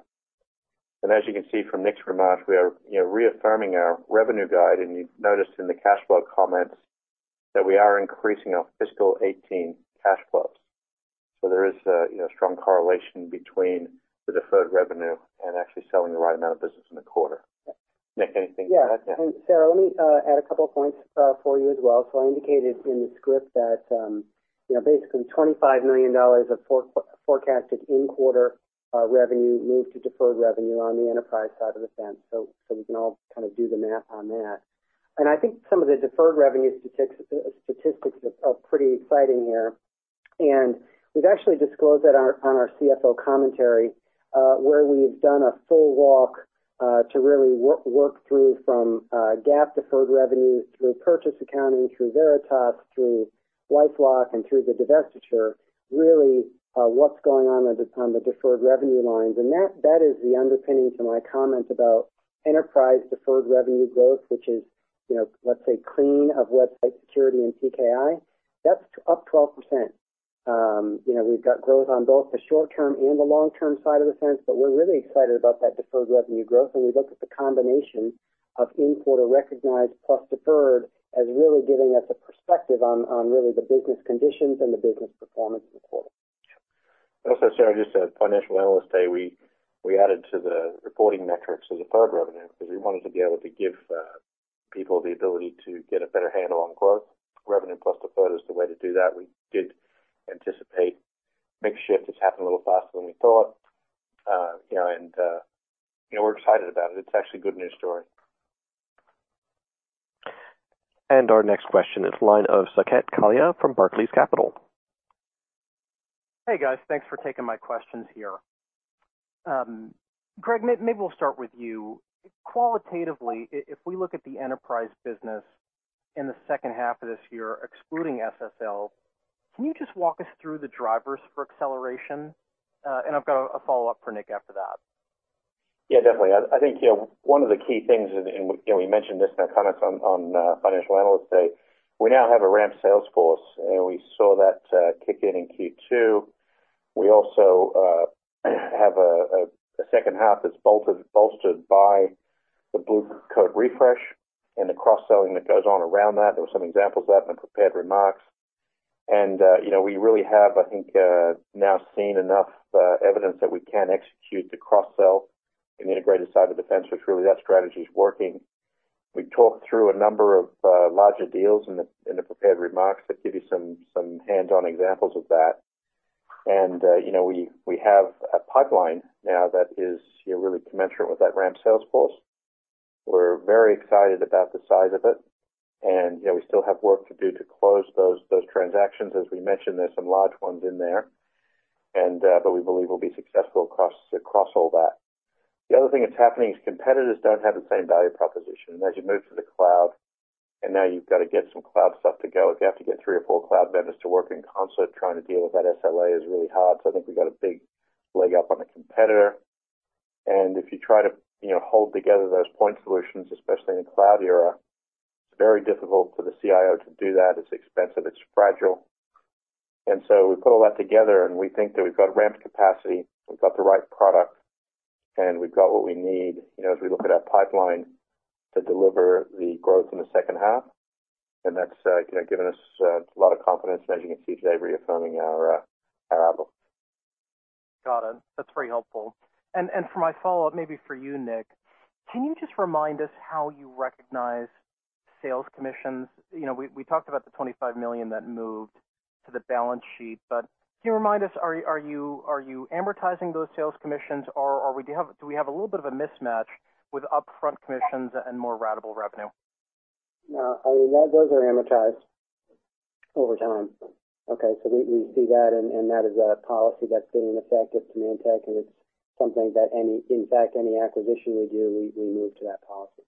As you can see from Nick's remarks, we are reaffirming our revenue guide, and you've noticed in the cash flow comments that we are increasing our fiscal 2018 cash flows. There is a strong correlation between the deferred revenue and actually selling the right amount of business in the quarter. Nick, anything to add? Yeah. Sarah, let me add a couple of points for you as well. I indicated in the script that basically $25 million of forecasted in-quarter revenue moved to deferred revenue on the enterprise side of the fence. We can all kind of do the math on that. I think some of the deferred revenue statistics are pretty exciting here. We've actually disclosed that on our CFO commentary, where we've done a full walk to really work through from GAAP deferred revenue through purchase accounting, through Veritas, through LifeLock, and through the divestiture, really what's going on on the deferred revenue lines. That is the underpinning to my comment about enterprise deferred revenue growth, which is let's say, clean of website security and PKI. That's up 12%. We've got growth on both the short-term and the long-term side of the fence, but we're really excited about that deferred revenue growth when we look at the combination of in-quarter recognized plus deferred as really giving us a perspective on really the business conditions and the business performance in the quarter. Also, Sarah, just at Financial Analyst Day, we added to the reporting metrics of deferred revenue because we wanted to be able to give people the ability to get a better handle on growth. Revenue plus deferred is the way to do that. We did anticipate mix shift has happened a little faster than we thought. We're excited about it. It's actually a good news story. Our next question is the line of Saket Kalia from Barclays Capital. Hey, guys. Thanks for taking my questions here. Greg, maybe we'll start with you. Qualitatively, if we look at the enterprise business in the second half of this year, excluding SSL, can you just walk us through the drivers for acceleration? I've got a follow-up for Nick after that. Yeah, definitely. I think one of the key things, and we mentioned this in our comments on Financial Analyst Day, we now have a ramped sales force, and we saw that kick in in Q2. We also have a second half that's bolstered by the Blue Coat refresh and the cross-selling that goes on around that. There were some examples of that in the prepared remarks. We really have, I think, now seen enough evidence that we can execute the cross-sell in Integrated Cyber Defense platform, which really that strategy is working. We talked through a number of larger deals in the prepared remarks that give you some hands-on examples of that. We have a pipeline now that is really commensurate with that ramped sales force. We're very excited about the size of it, and we still have work to do to close those transactions. As we mentioned, there's some large ones in there, but we believe we'll be successful across all that. The other thing that's happening is competitors don't have the same value proposition. As you move to the cloud, and now you've got to get some cloud stuff to go, if you have to get three or four cloud vendors to work in concert, trying to deal with that SLA is really hard. I think we've got a big leg up on the competitor. If you try to hold together those point solutions, especially in the cloud era, it's very difficult for the CIO to do that. It's expensive, it's fragile. We put all that together, and we think that we've got ramped capacity, we've got the right product, and we've got what we need as we look at our pipeline to deliver the growth in the second half. That's given us a lot of confidence, as you can see today, reaffirming our outlook. Got it. That's very helpful. For my follow-up, maybe for you, Nick, can you just remind us how you recognize sales commissions? We talked about the $25 million that moved to the balance sheet, but can you remind us, are you amortizing those sales commissions, or do we have a little bit of a mismatch with upfront commissions and more ratable revenue? No, those are amortized over time. Okay, we see that, and that is a policy that's been in effect at Command Tech, and it's something that in fact, any acquisition we do, we move to that policy.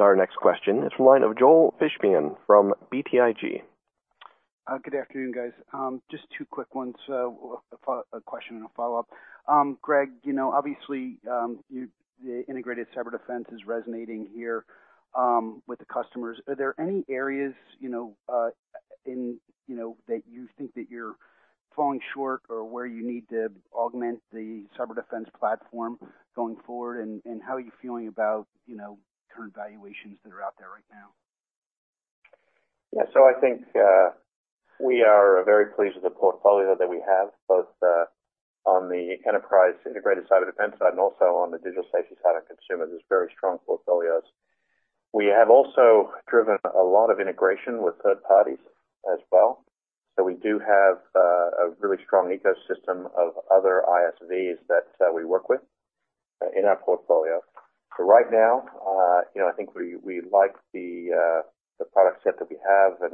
Our next question is from the line of Joel Fishbein from BTIG. Good afternoon, guys. Just two quick ones, a question and a follow-up. Greg, obviously, the Integrated Cyber Defense is resonating here with the customers. Are there any areas that you think that you're falling short or where you need to augment the Cyber Defense platform going forward? How are you feeling about current valuations that are out there right now? Yeah. I think we are very pleased with the portfolio that we have, both on the enterprise Integrated Cyber Defense side and also on the Consumer Digital Safety side. It's very strong portfolios. We have also driven a lot of integration with third parties as well. We do have a really strong ecosystem of other ISVs that we work with in our portfolio. Right now, I think we like the product set that we have,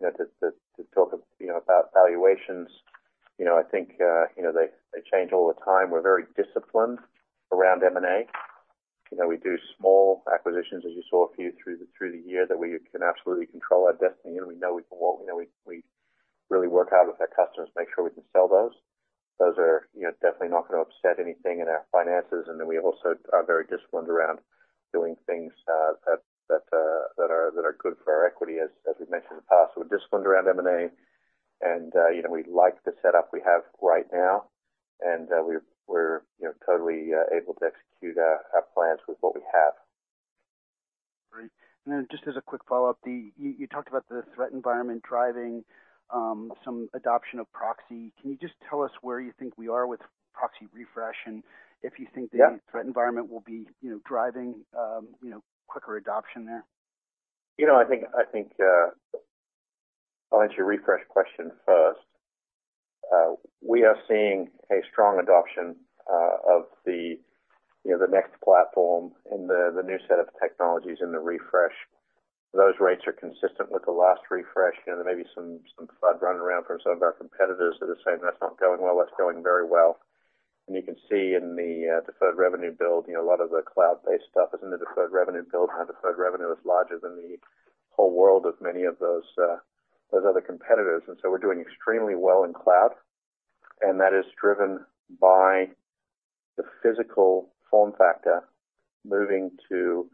to talk about valuations, I think they change all the time. We're very disciplined around M&A. We do small acquisitions, as you saw a few through the year, that we can absolutely control our destiny, and we know we can walk. We really work hard with our customers, make sure we can sell those. Those are definitely not going to upset anything in our finances. We also are very disciplined around doing things that are good for our equity, as we've mentioned in the past. We're disciplined around M&A, we like the setup we have right now, we're totally able to execute our plans with what we have. Great. Just as a quick follow-up, you talked about the threat environment driving some adoption of proxy. Can you just tell us where you think we are with proxy refresh and if you think? Yeah threat environment will be driving quicker adoption there? I think I'll answer your refresh question first. We are seeing a strong adoption of the next platform and the new set of technologies in the refresh. Those rates are consistent with the last refresh. There may be some FUD running around from some of our competitors that are saying, "That's not going well." That's going very well. You can see in the deferred revenue build, a lot of the cloud-based stuff is in the deferred revenue build. Now, deferred revenue is larger than the whole world of many of those other competitors. We're doing extremely well in cloud, and that is driven by the physical form factor moving to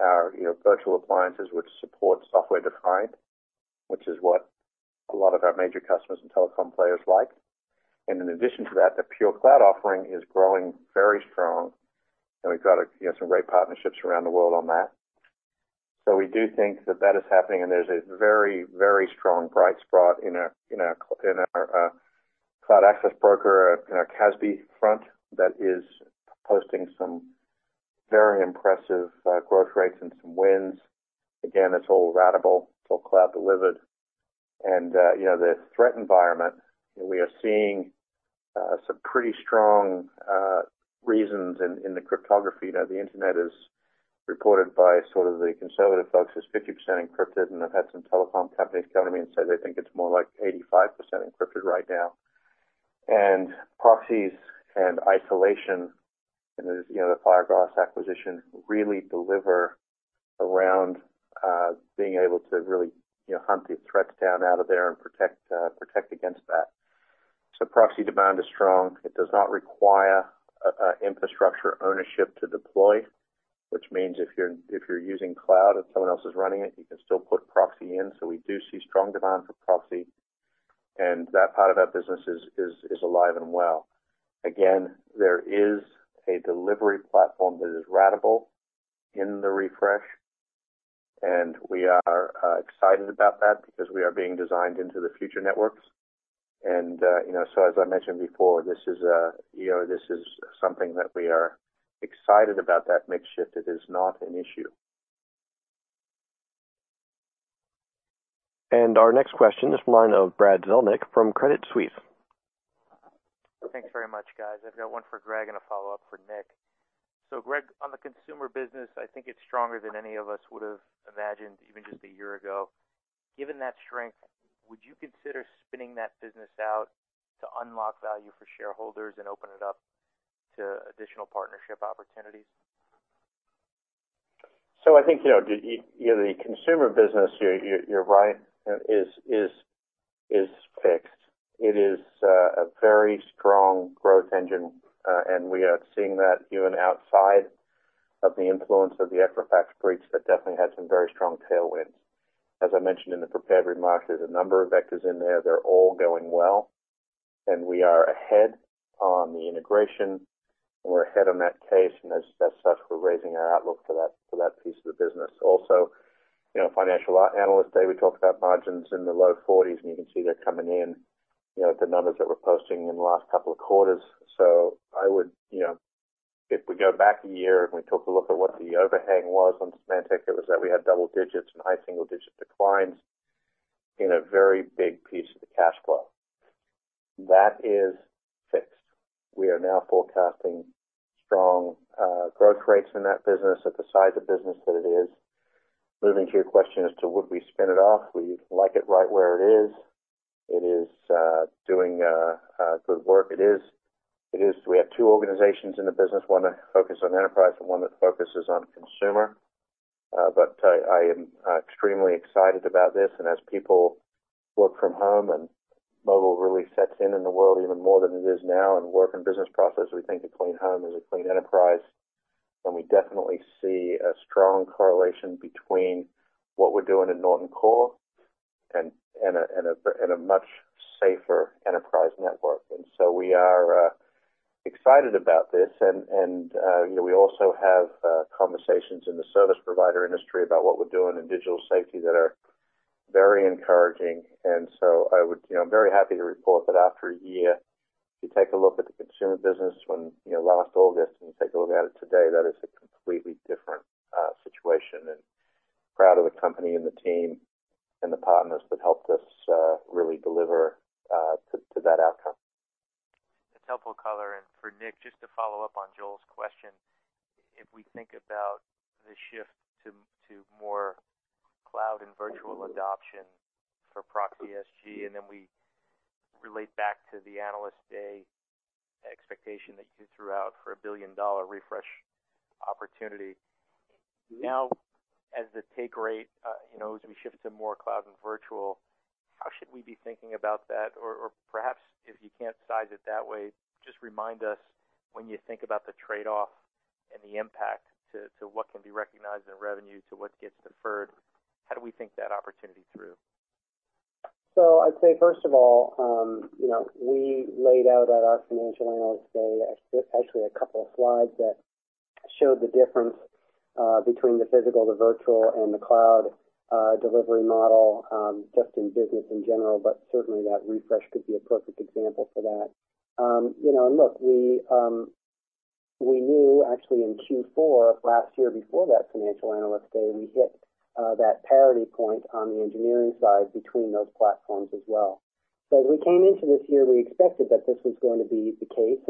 our virtual appliances, which support software-defined, which is what a lot of our major customers and telecom players like. In addition to that, the pure cloud offering is growing very strong, and we've got some great partnerships around the world on that. We do think that that is happening, and there's a very, very strong bright spot in our cloud access broker, in our CASB front that is posting some very impressive growth rates and some wins. Again, it's all ratable, it's all cloud delivered. The threat environment, we are seeing some pretty strong reasons in the cryptography. The internet is reported by sort of the conservative folks as 50% encrypted, and I've had some telecom companies come to me and say they think it's more like 85% encrypted right now. Proxies and isolation and the Fireglass acquisition really deliver around being able to really hunt these threats down out of there and protect against that. Proxy demand is strong. It does not require infrastructure ownership to deploy, which means if you're using cloud, if someone else is running it, you can still put proxy in. We do see strong demand for proxy, and that part of that business is alive and well. Again, there is a delivery platform that is ratable in the refresh, and we are excited about that because we are being designed into the future networks. As I mentioned before, this is something that we are excited about that mix shift. It is not an issue. Our next question is from the line of Brad Zelnick from Credit Suisse. Thanks very much, guys. I've got one for Greg and a follow-up for Nick. Greg, on the consumer business, I think it's stronger than any of us would have imagined even just a year ago. Given that strength, would you consider spinning that business out to unlock value for shareholders and open it up to additional partnership opportunities? I think, the consumer business, you're right, is fixed. It is a very strong growth engine, and we are seeing that even outside of the influence of the Equifax breach that definitely had some very strong tailwinds. As I mentioned in the prepared remarks, there's a number of vectors in there. They're all going well, and we are ahead on the integration, and we're ahead on that case, and as such, we're raising our outlook for that piece of the business. Also, financial analyst day, we talked about margins in the low 40s, and you can see they're coming in, the numbers that we're posting in the last couple of quarters. If we go back a year and we took a look at what the overhang was on Symantec, it was that we had double digits and high single-digit declines in a very big piece of the cash flow. That is fixed. We are now forecasting strong growth rates in that business at the size of business that it is. Moving to your question as to would we spin it off, we like it right where it is. It is doing good work. We have two organizations in the business, one that focus on enterprise and one that focuses on consumer. I am extremely excited about this, and as people work from home and mobile really sets in in the world even more than it is now, and work and business process, we think a clean home is a clean enterprise. We definitely see a strong correlation between what we're doing in Norton Core and a much safer enterprise network. We are excited about this, and we also have conversations in the service provider industry about what we're doing in digital safety that are very encouraging. I'm very happy to report that after a year, if you take a look at the consumer business when last August, and you take a look at it today, that is a completely different situation. Proud of the company and the team and the partners that helped us really deliver to that outcome. That's helpful color. For Nick, just to follow up on Joel's question, if we think about the shift to more cloud and virtual adoption for ProxySG, then we relate back to the analyst day expectation that you threw out for a billion-dollar refresh opportunity. As the take rate, as we shift to more cloud and virtual, how should we be thinking about that? Or perhaps if you can't size it that way, just remind us when you think about the trade-off and the impact to what can be recognized in revenue to what gets deferred, how do we think that opportunity through? I'd say, first of all, we laid out at our financial analyst day, actually, a couple of slides that showed the difference between the physical, the virtual, and the cloud delivery model, just in business in general. Certainly, that refresh could be a perfect example for that. Look, we knew actually in Q4 of last year before that financial analyst day, we hit that parity point on the engineering side between those platforms as well. As we came into this year, we expected that this was going to be the case.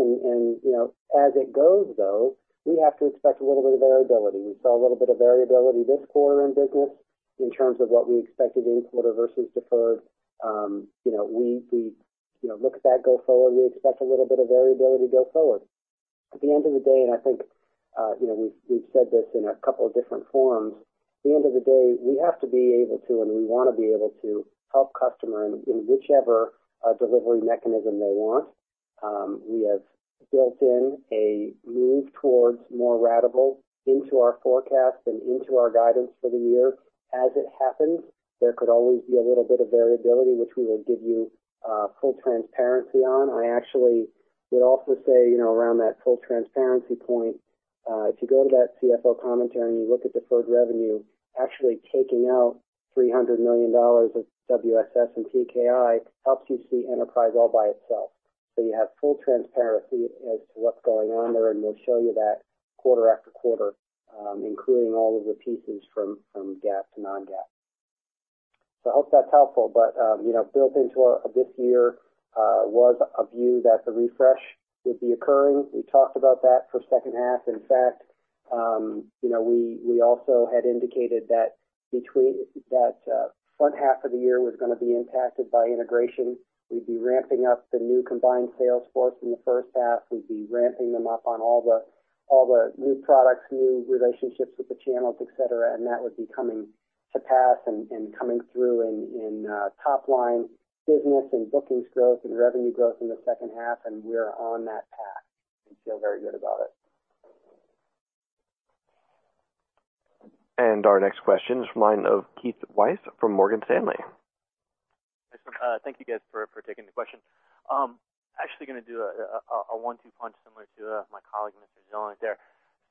As it goes, though, we have to expect a little bit of variability. We saw a little bit of variability this quarter in business in terms of what we expected in quarter versus deferred. We look at that go forward, we expect a little bit of variability go forward. At the end of the day, I think we've said this in a couple of different forms. At the end of the day, we have to be able to, and we want to be able to help customer in whichever delivery mechanism they want. We have built in a move towards more ratable into our forecast and into our guidance for the year. As it happens, there could always be a little bit of variability, which we will give you full transparency on. I actually would also say, around that full transparency point, if you go to that CFO commentary and you look at deferred revenue, actually taking out $300 million of WSS and PKI helps you see enterprise all by itself. You have full transparency as to what's going on there, we'll show you that quarter after quarter, including all of the pieces from GAAP to non-GAAP. I hope that's helpful. Built into this year was a view that the refresh would be occurring. We talked about that for second half. In fact, we also had indicated that front half of the year was going to be impacted by integration. We'd be ramping up the new combined sales force in the first half. We'd be ramping them up on all the new products, new relationships with the channels, et cetera. That would be coming to pass and coming through in top-line business and bookings growth and revenue growth in the second half. We're on that path and feel very good about it. Our next question is from the line of Keith Weiss from Morgan Stanley. Thank you guys for taking the question. Actually, going to do a one-two punch similar to my colleague, Mr. Zelnick there.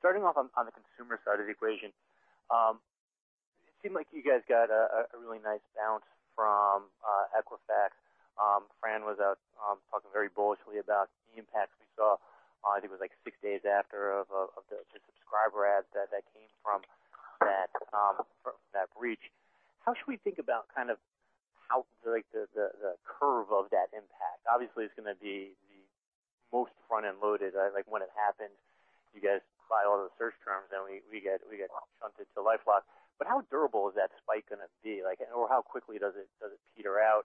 Starting off on the consumer side of the equation. It seemed like you guys got a really nice bounce from Equifax. Fran was out talking very bullishly about the impacts we saw. I think it was 6 days after of the subscriber adds that came from that breach. How should we think about the curve of that impact? Obviously, it's going to be the most front-end loaded. When it happened, you guys buy all the search terms, and we get shunted to LifeLock. How durable is that spike going to be? How quickly does it peter out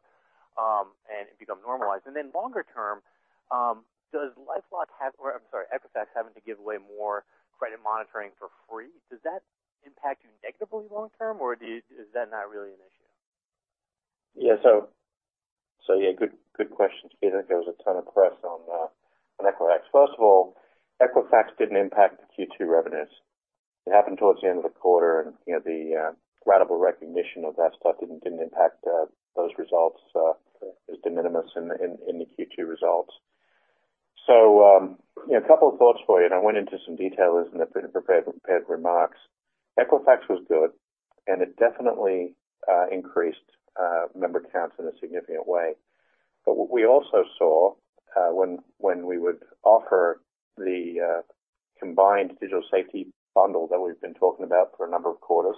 and become normalized? Longer term, does Equifax having to give away more credit monitoring for free, does that impact you negatively long term, is that not really an issue? Yeah. Good question, Keith. There was a ton of press on Equifax. First of all, Equifax didn't impact the Q2 revenues. It happened towards the end of the quarter, and the ratable recognition of that stuff didn't impact those results, is de minimis in the Q2 results. A couple of thoughts for you, and I went into some detail in the prepared remarks. Equifax was good, and it definitely increased member counts in a significant way. What we also saw when we would offer the combined digital safety bundle that we've been talking about for a number of quarters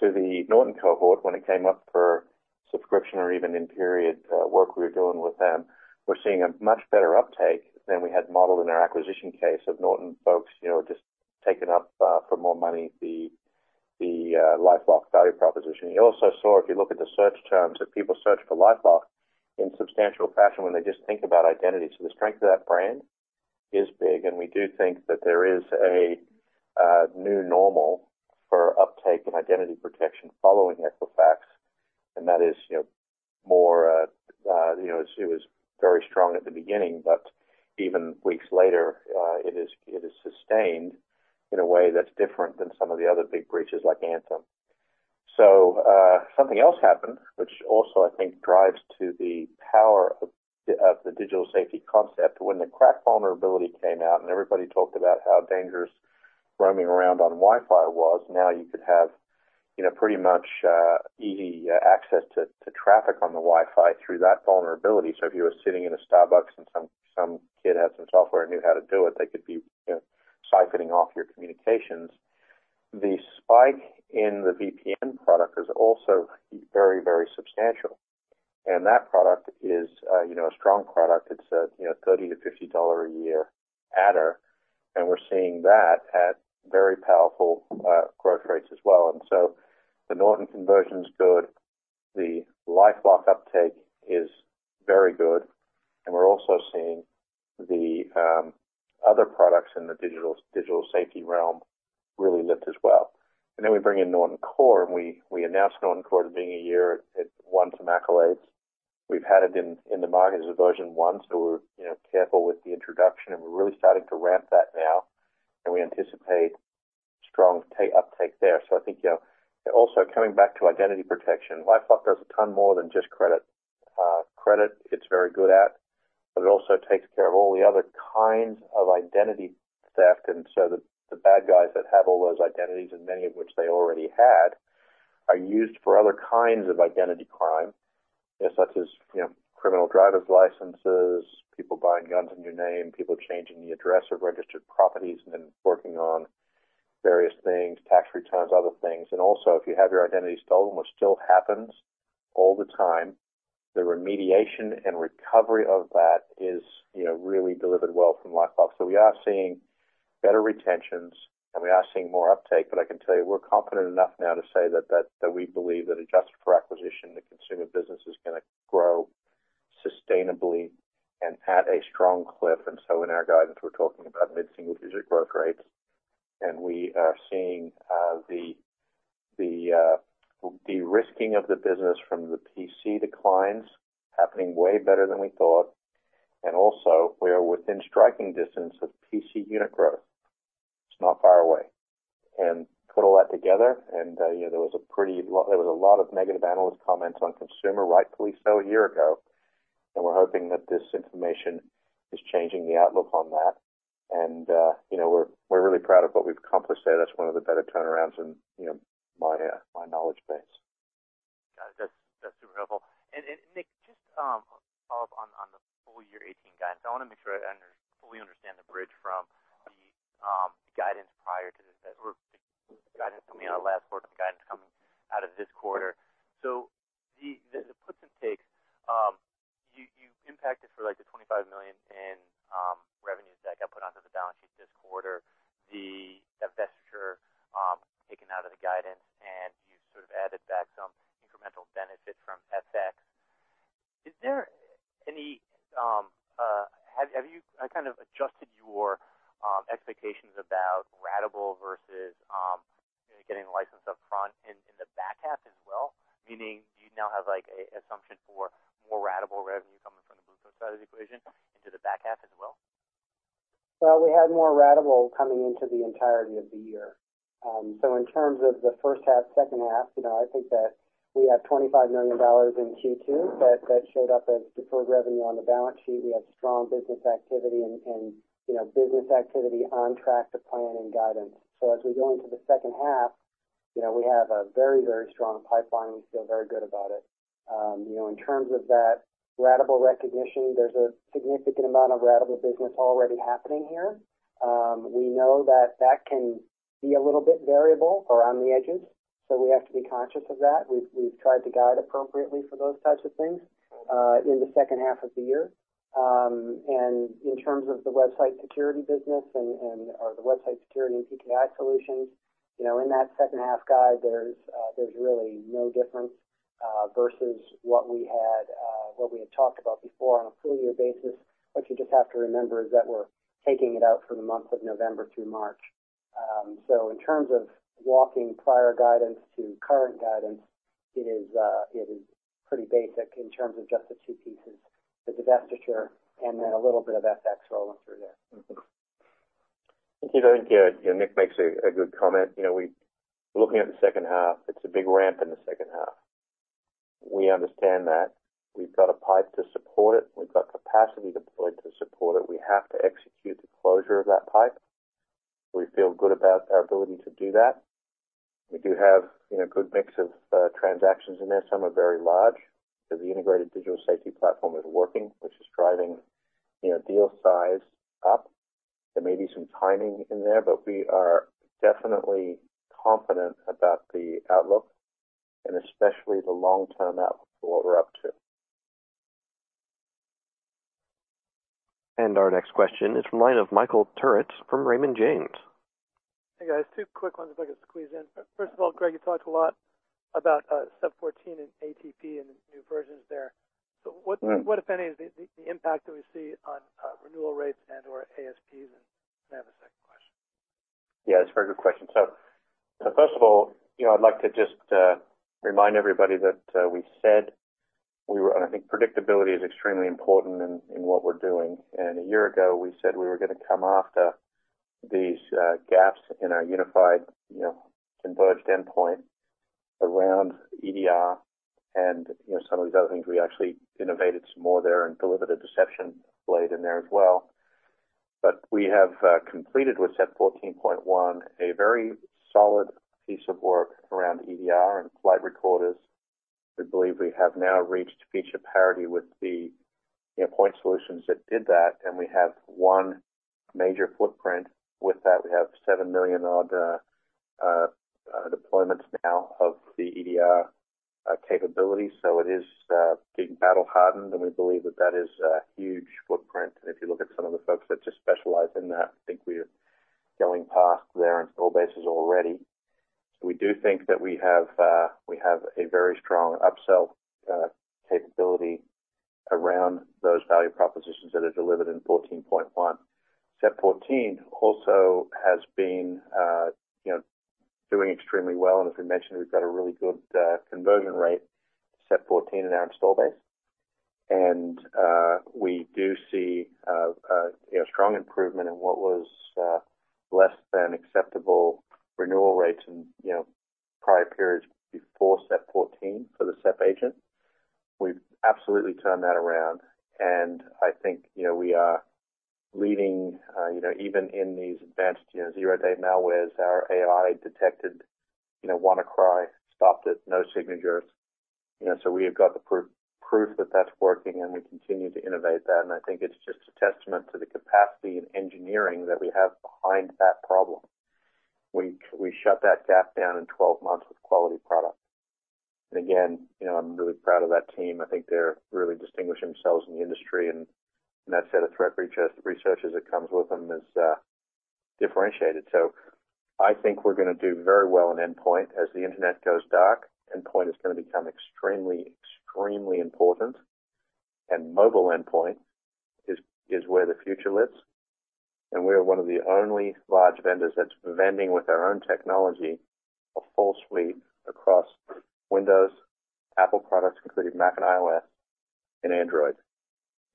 to the Norton cohort when it came up for subscription or even in period work we were doing with them, we're seeing a much better uptake than we had modeled in our acquisition case of Norton folks just taking up for more money the LifeLock value proposition. You also saw, if you look at the search terms, that people search for LifeLock in substantial fashion when they just think about identity. The strength of that brand is big, and we do think that there is a new normal for uptake in identity protection following Equifax, and that is it was very strong at the beginning, but even weeks later, it is sustained in a way that's different than some of the other big breaches like Anthem. Something else happened, which also I think drives to the power of the digital safety concept. When the KRACK vulnerability came out and everybody talked about how dangerous roaming around on Wi-Fi was, now you could have pretty much easy access to traffic on the Wi-Fi through that vulnerability. If you were sitting in a Starbucks and some kid had some software and knew how to do it, they could be siphoning off your communications. The spike in the VPN product is also very substantial, and that product is a strong product. It's a $30-$50 a year adder, and we're seeing that at very powerful growth rates as well. The Norton conversion's good. The LifeLock uptake is very good, and we're also seeing the other products in the digital safety realm really lift as well. We bring in Norton Core, and we announced Norton Core at the beginning of the year. It won some accolades. We've had it in the market as a version 1, we're careful with the introduction, we're really starting to ramp that now, and we anticipate strong uptake there. I think also coming back to identity protection, LifeLock does a ton more than just credit. Credit, it's very good at, it also takes care of all the other kinds of identity theft. The bad guys that have all those identities, and many of which they already had, are used for other kinds of identity crime, such as criminal driver's licenses, people buying guns in your name, people changing the address of registered properties, and then working on various things, tax returns, other things. If you have your identity stolen, which still happens all the time, the remediation and recovery of that is really delivered well from LifeLock. We are seeing better retentions, and we are seeing more uptake. I can tell you we're confident enough now to say that we believe that adjusted for acquisition, the consumer business is going to grow sustainably and at a strong clip. In our guidance, we're talking about mid-single-digit growth rates, and we are seeing the de-risking of the business from the PC declines happening way better than we thought. Also, we are within striking distance of PC unit growth. It's not far away. Put all that together, and there was a lot of negative analyst comments on consumer, rightfully so a year ago, and we're hoping that this information is changing the outlook on that. We're really proud of what we've accomplished there. That's one of the better turnarounds in my knowledge base. Got it. That's super helpful. Nick, just to follow up on the full year 2018 guidance, I want to make sure I fully understand the bridge from the guidance prior to the guidance coming out of last quarter, the guidance coming out of this quarter. So the puts and takes, you impacted for the $25 million in revenues that got put onto the balance sheet this quarter, the divestiture taken out of the guidance, and you sort of added back some incremental benefit from FX. Have you kind of adjusted your expectations about ratable versus getting the license upfront in the back half as well? Meaning, do you now have an assumption for more ratable revenue coming from the Blue Coat side of the equation into the back half as well? We had more ratable coming into the entirety of the year. So in terms of the first half, second half, I think that we have $25 million in Q2 that showed up as deferred revenue on the balance sheet. We have strong business activity and business activity on track to plan and guidance. As we go into the second half. We have a very strong pipeline. We feel very good about it. In terms of that ratable recognition, there's a significant amount of ratable business already happening here. We know that that can be a little bit variable around the edges, so we have to be conscious of that. We've tried to guide appropriately for those types of things in the second half of the year. In terms of the website security business or the website security and PKI solutions, in that second half guide, there's really no difference versus what we had talked about before on a full-year basis. What you just have to remember is that we're taking it out for the month of November through March. So in terms of walking prior guidance to current guidance, it is pretty basic in terms of just the two pieces, the divestiture and then a little bit of FX rolling through there. I think Nick makes a good comment. Looking at the second half, it's a big ramp in the second half. We understand that. We've got a pipe to support it. We've got capacity deployed to support it. We have to execute the closure of that pipe. We feel good about our ability to do that. We do have a good mix of transactions in there. Some are very large because the integrated digital safety platform is working, which is driving deal size up. There may be some timing in there, but we are definitely confident about the outlook and especially the long-term outlook for what we're up to. Our next question is from the line of Michael Turits from Raymond James. Hey, guys. Two quick ones if I could squeeze in. First of all, Greg, you talked a lot about SEP 14 and ATP and the new versions there. What, if any, is the impact that we see on renewal rates and/or ASPs? I have a second question. Yeah, that's a very good question. First of all, I'd like to just remind everybody that we said we were, I think predictability is extremely important in what we're doing. A year ago, we said we were going to come after these gaps in our unified converged endpoint around EDR and some of these other things. We actually innovated some more there and delivered a deception blade in there as well. We have completed with SEP 14.1 a very solid piece of work around EDR and flight recorders. We believe we have now reached feature parity with the point solutions that did that, and we have one major footprint with that. We have 7 million-odd deployments now of the EDR capability. It is being battle-hardened, and we believe that that is a huge footprint. If you look at some of the folks that just specialize in that, I think we are going past their install bases already. We do think that we have a very strong upsell capability around those value propositions that are delivered in SEP 14.1. SEP 14 also has been doing extremely well, and as we mentioned, we've got a really good conversion rate, SEP 14 in our install base. We do see a strong improvement in what was less than acceptable renewal rates in prior periods before SEP 14 for the SEP agent. We've absolutely turned that around, and I think we are leading even in these advanced zero-day malwares. Our AI detected WannaCry, stopped it, no signatures. We have got the proof that that's working, and we continue to innovate that. I think it's just a testament to the capacity and engineering that we have behind that problem. We shut that gap down in 12 months with quality product. Again, I'm really proud of that team. I think they're really distinguishing themselves in the industry, and that set of threat researchers that comes with them is differentiated. I think we're going to do very well in endpoint. As the internet goes dark, endpoint is going to become extremely important. Mobile endpoint is where the future lives. We are one of the only large vendors that's vending with our own technology, a full suite across Windows, Apple products, including Mac and iOS, and Android.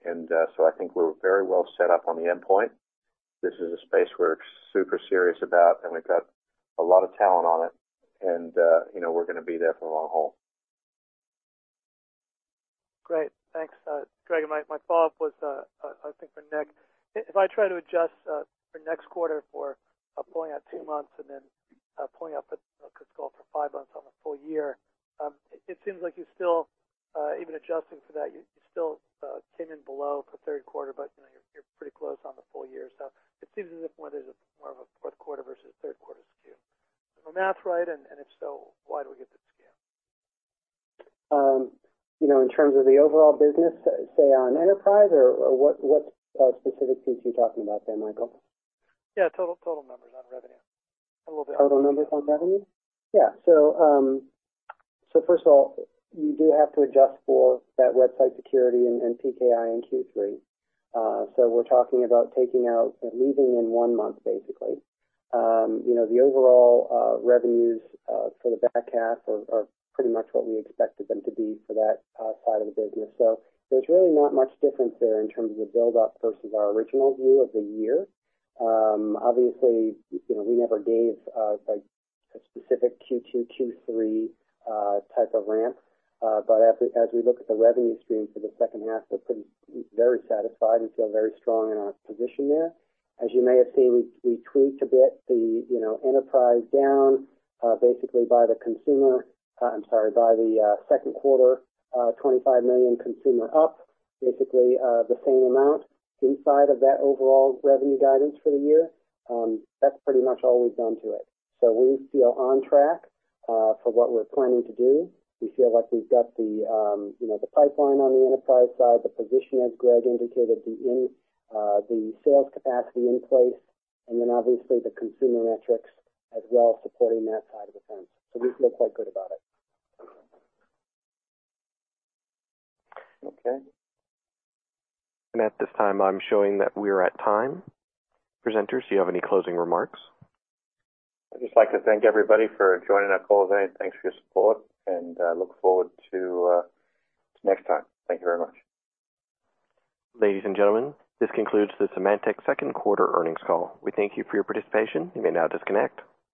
I think we're very well set up on the endpoint. This is a space we're super serious about, and we've got a lot of talent on it, and we're going to be there for the long haul. Great. Thanks. Greg, my follow-up was, I think for Nick. If I try to adjust for next quarter for pulling out two months and then pulling up a good call for five months on the full year, it seems like even adjusting for that, you still came in below for third quarter, but you're pretty close on the full year. It seems as if there's more of a fourth quarter versus third quarter skew. If the math's right, and if so, why do we get that skew? In terms of the overall business, say, on enterprise? Or what specific piece are you talking about there, Michael? Yeah, total numbers on revenue. Total numbers on revenue? Yeah. First of all, you do have to adjust for that website security and PKI in Q3. We're talking about taking out and leaving in one month, basically. The overall revenues for the back half are pretty much what we expected them to be for that side of the business. There's really not much difference there in terms of the buildup versus our original view of the year. Obviously, we never gave a specific Q2, Q3 type of ramp. As we look at the revenue stream for the second half, we're very satisfied and feel very strong in our position there. As you may have seen, we tweaked a bit the enterprise down basically by the second quarter, $25 million consumer up, basically the same amount inside of that overall revenue guidance for the year. That's pretty much all we've done to it. We feel on track for what we're planning to do. We feel like we've got the pipeline on the enterprise side, the position, as Greg indicated, the sales capacity in place, and then obviously the consumer metrics as well supporting that side of the fence. We feel quite good about it. Okay. At this time, I'm showing that we are at time. Presenters, do you have any closing remarks? I'd just like to thank everybody for joining our call today. Thanks for your support, and look forward to next time. Thank you very much. Ladies and gentlemen, this concludes the Symantec second quarter earnings call. We thank you for your participation. You may now disconnect.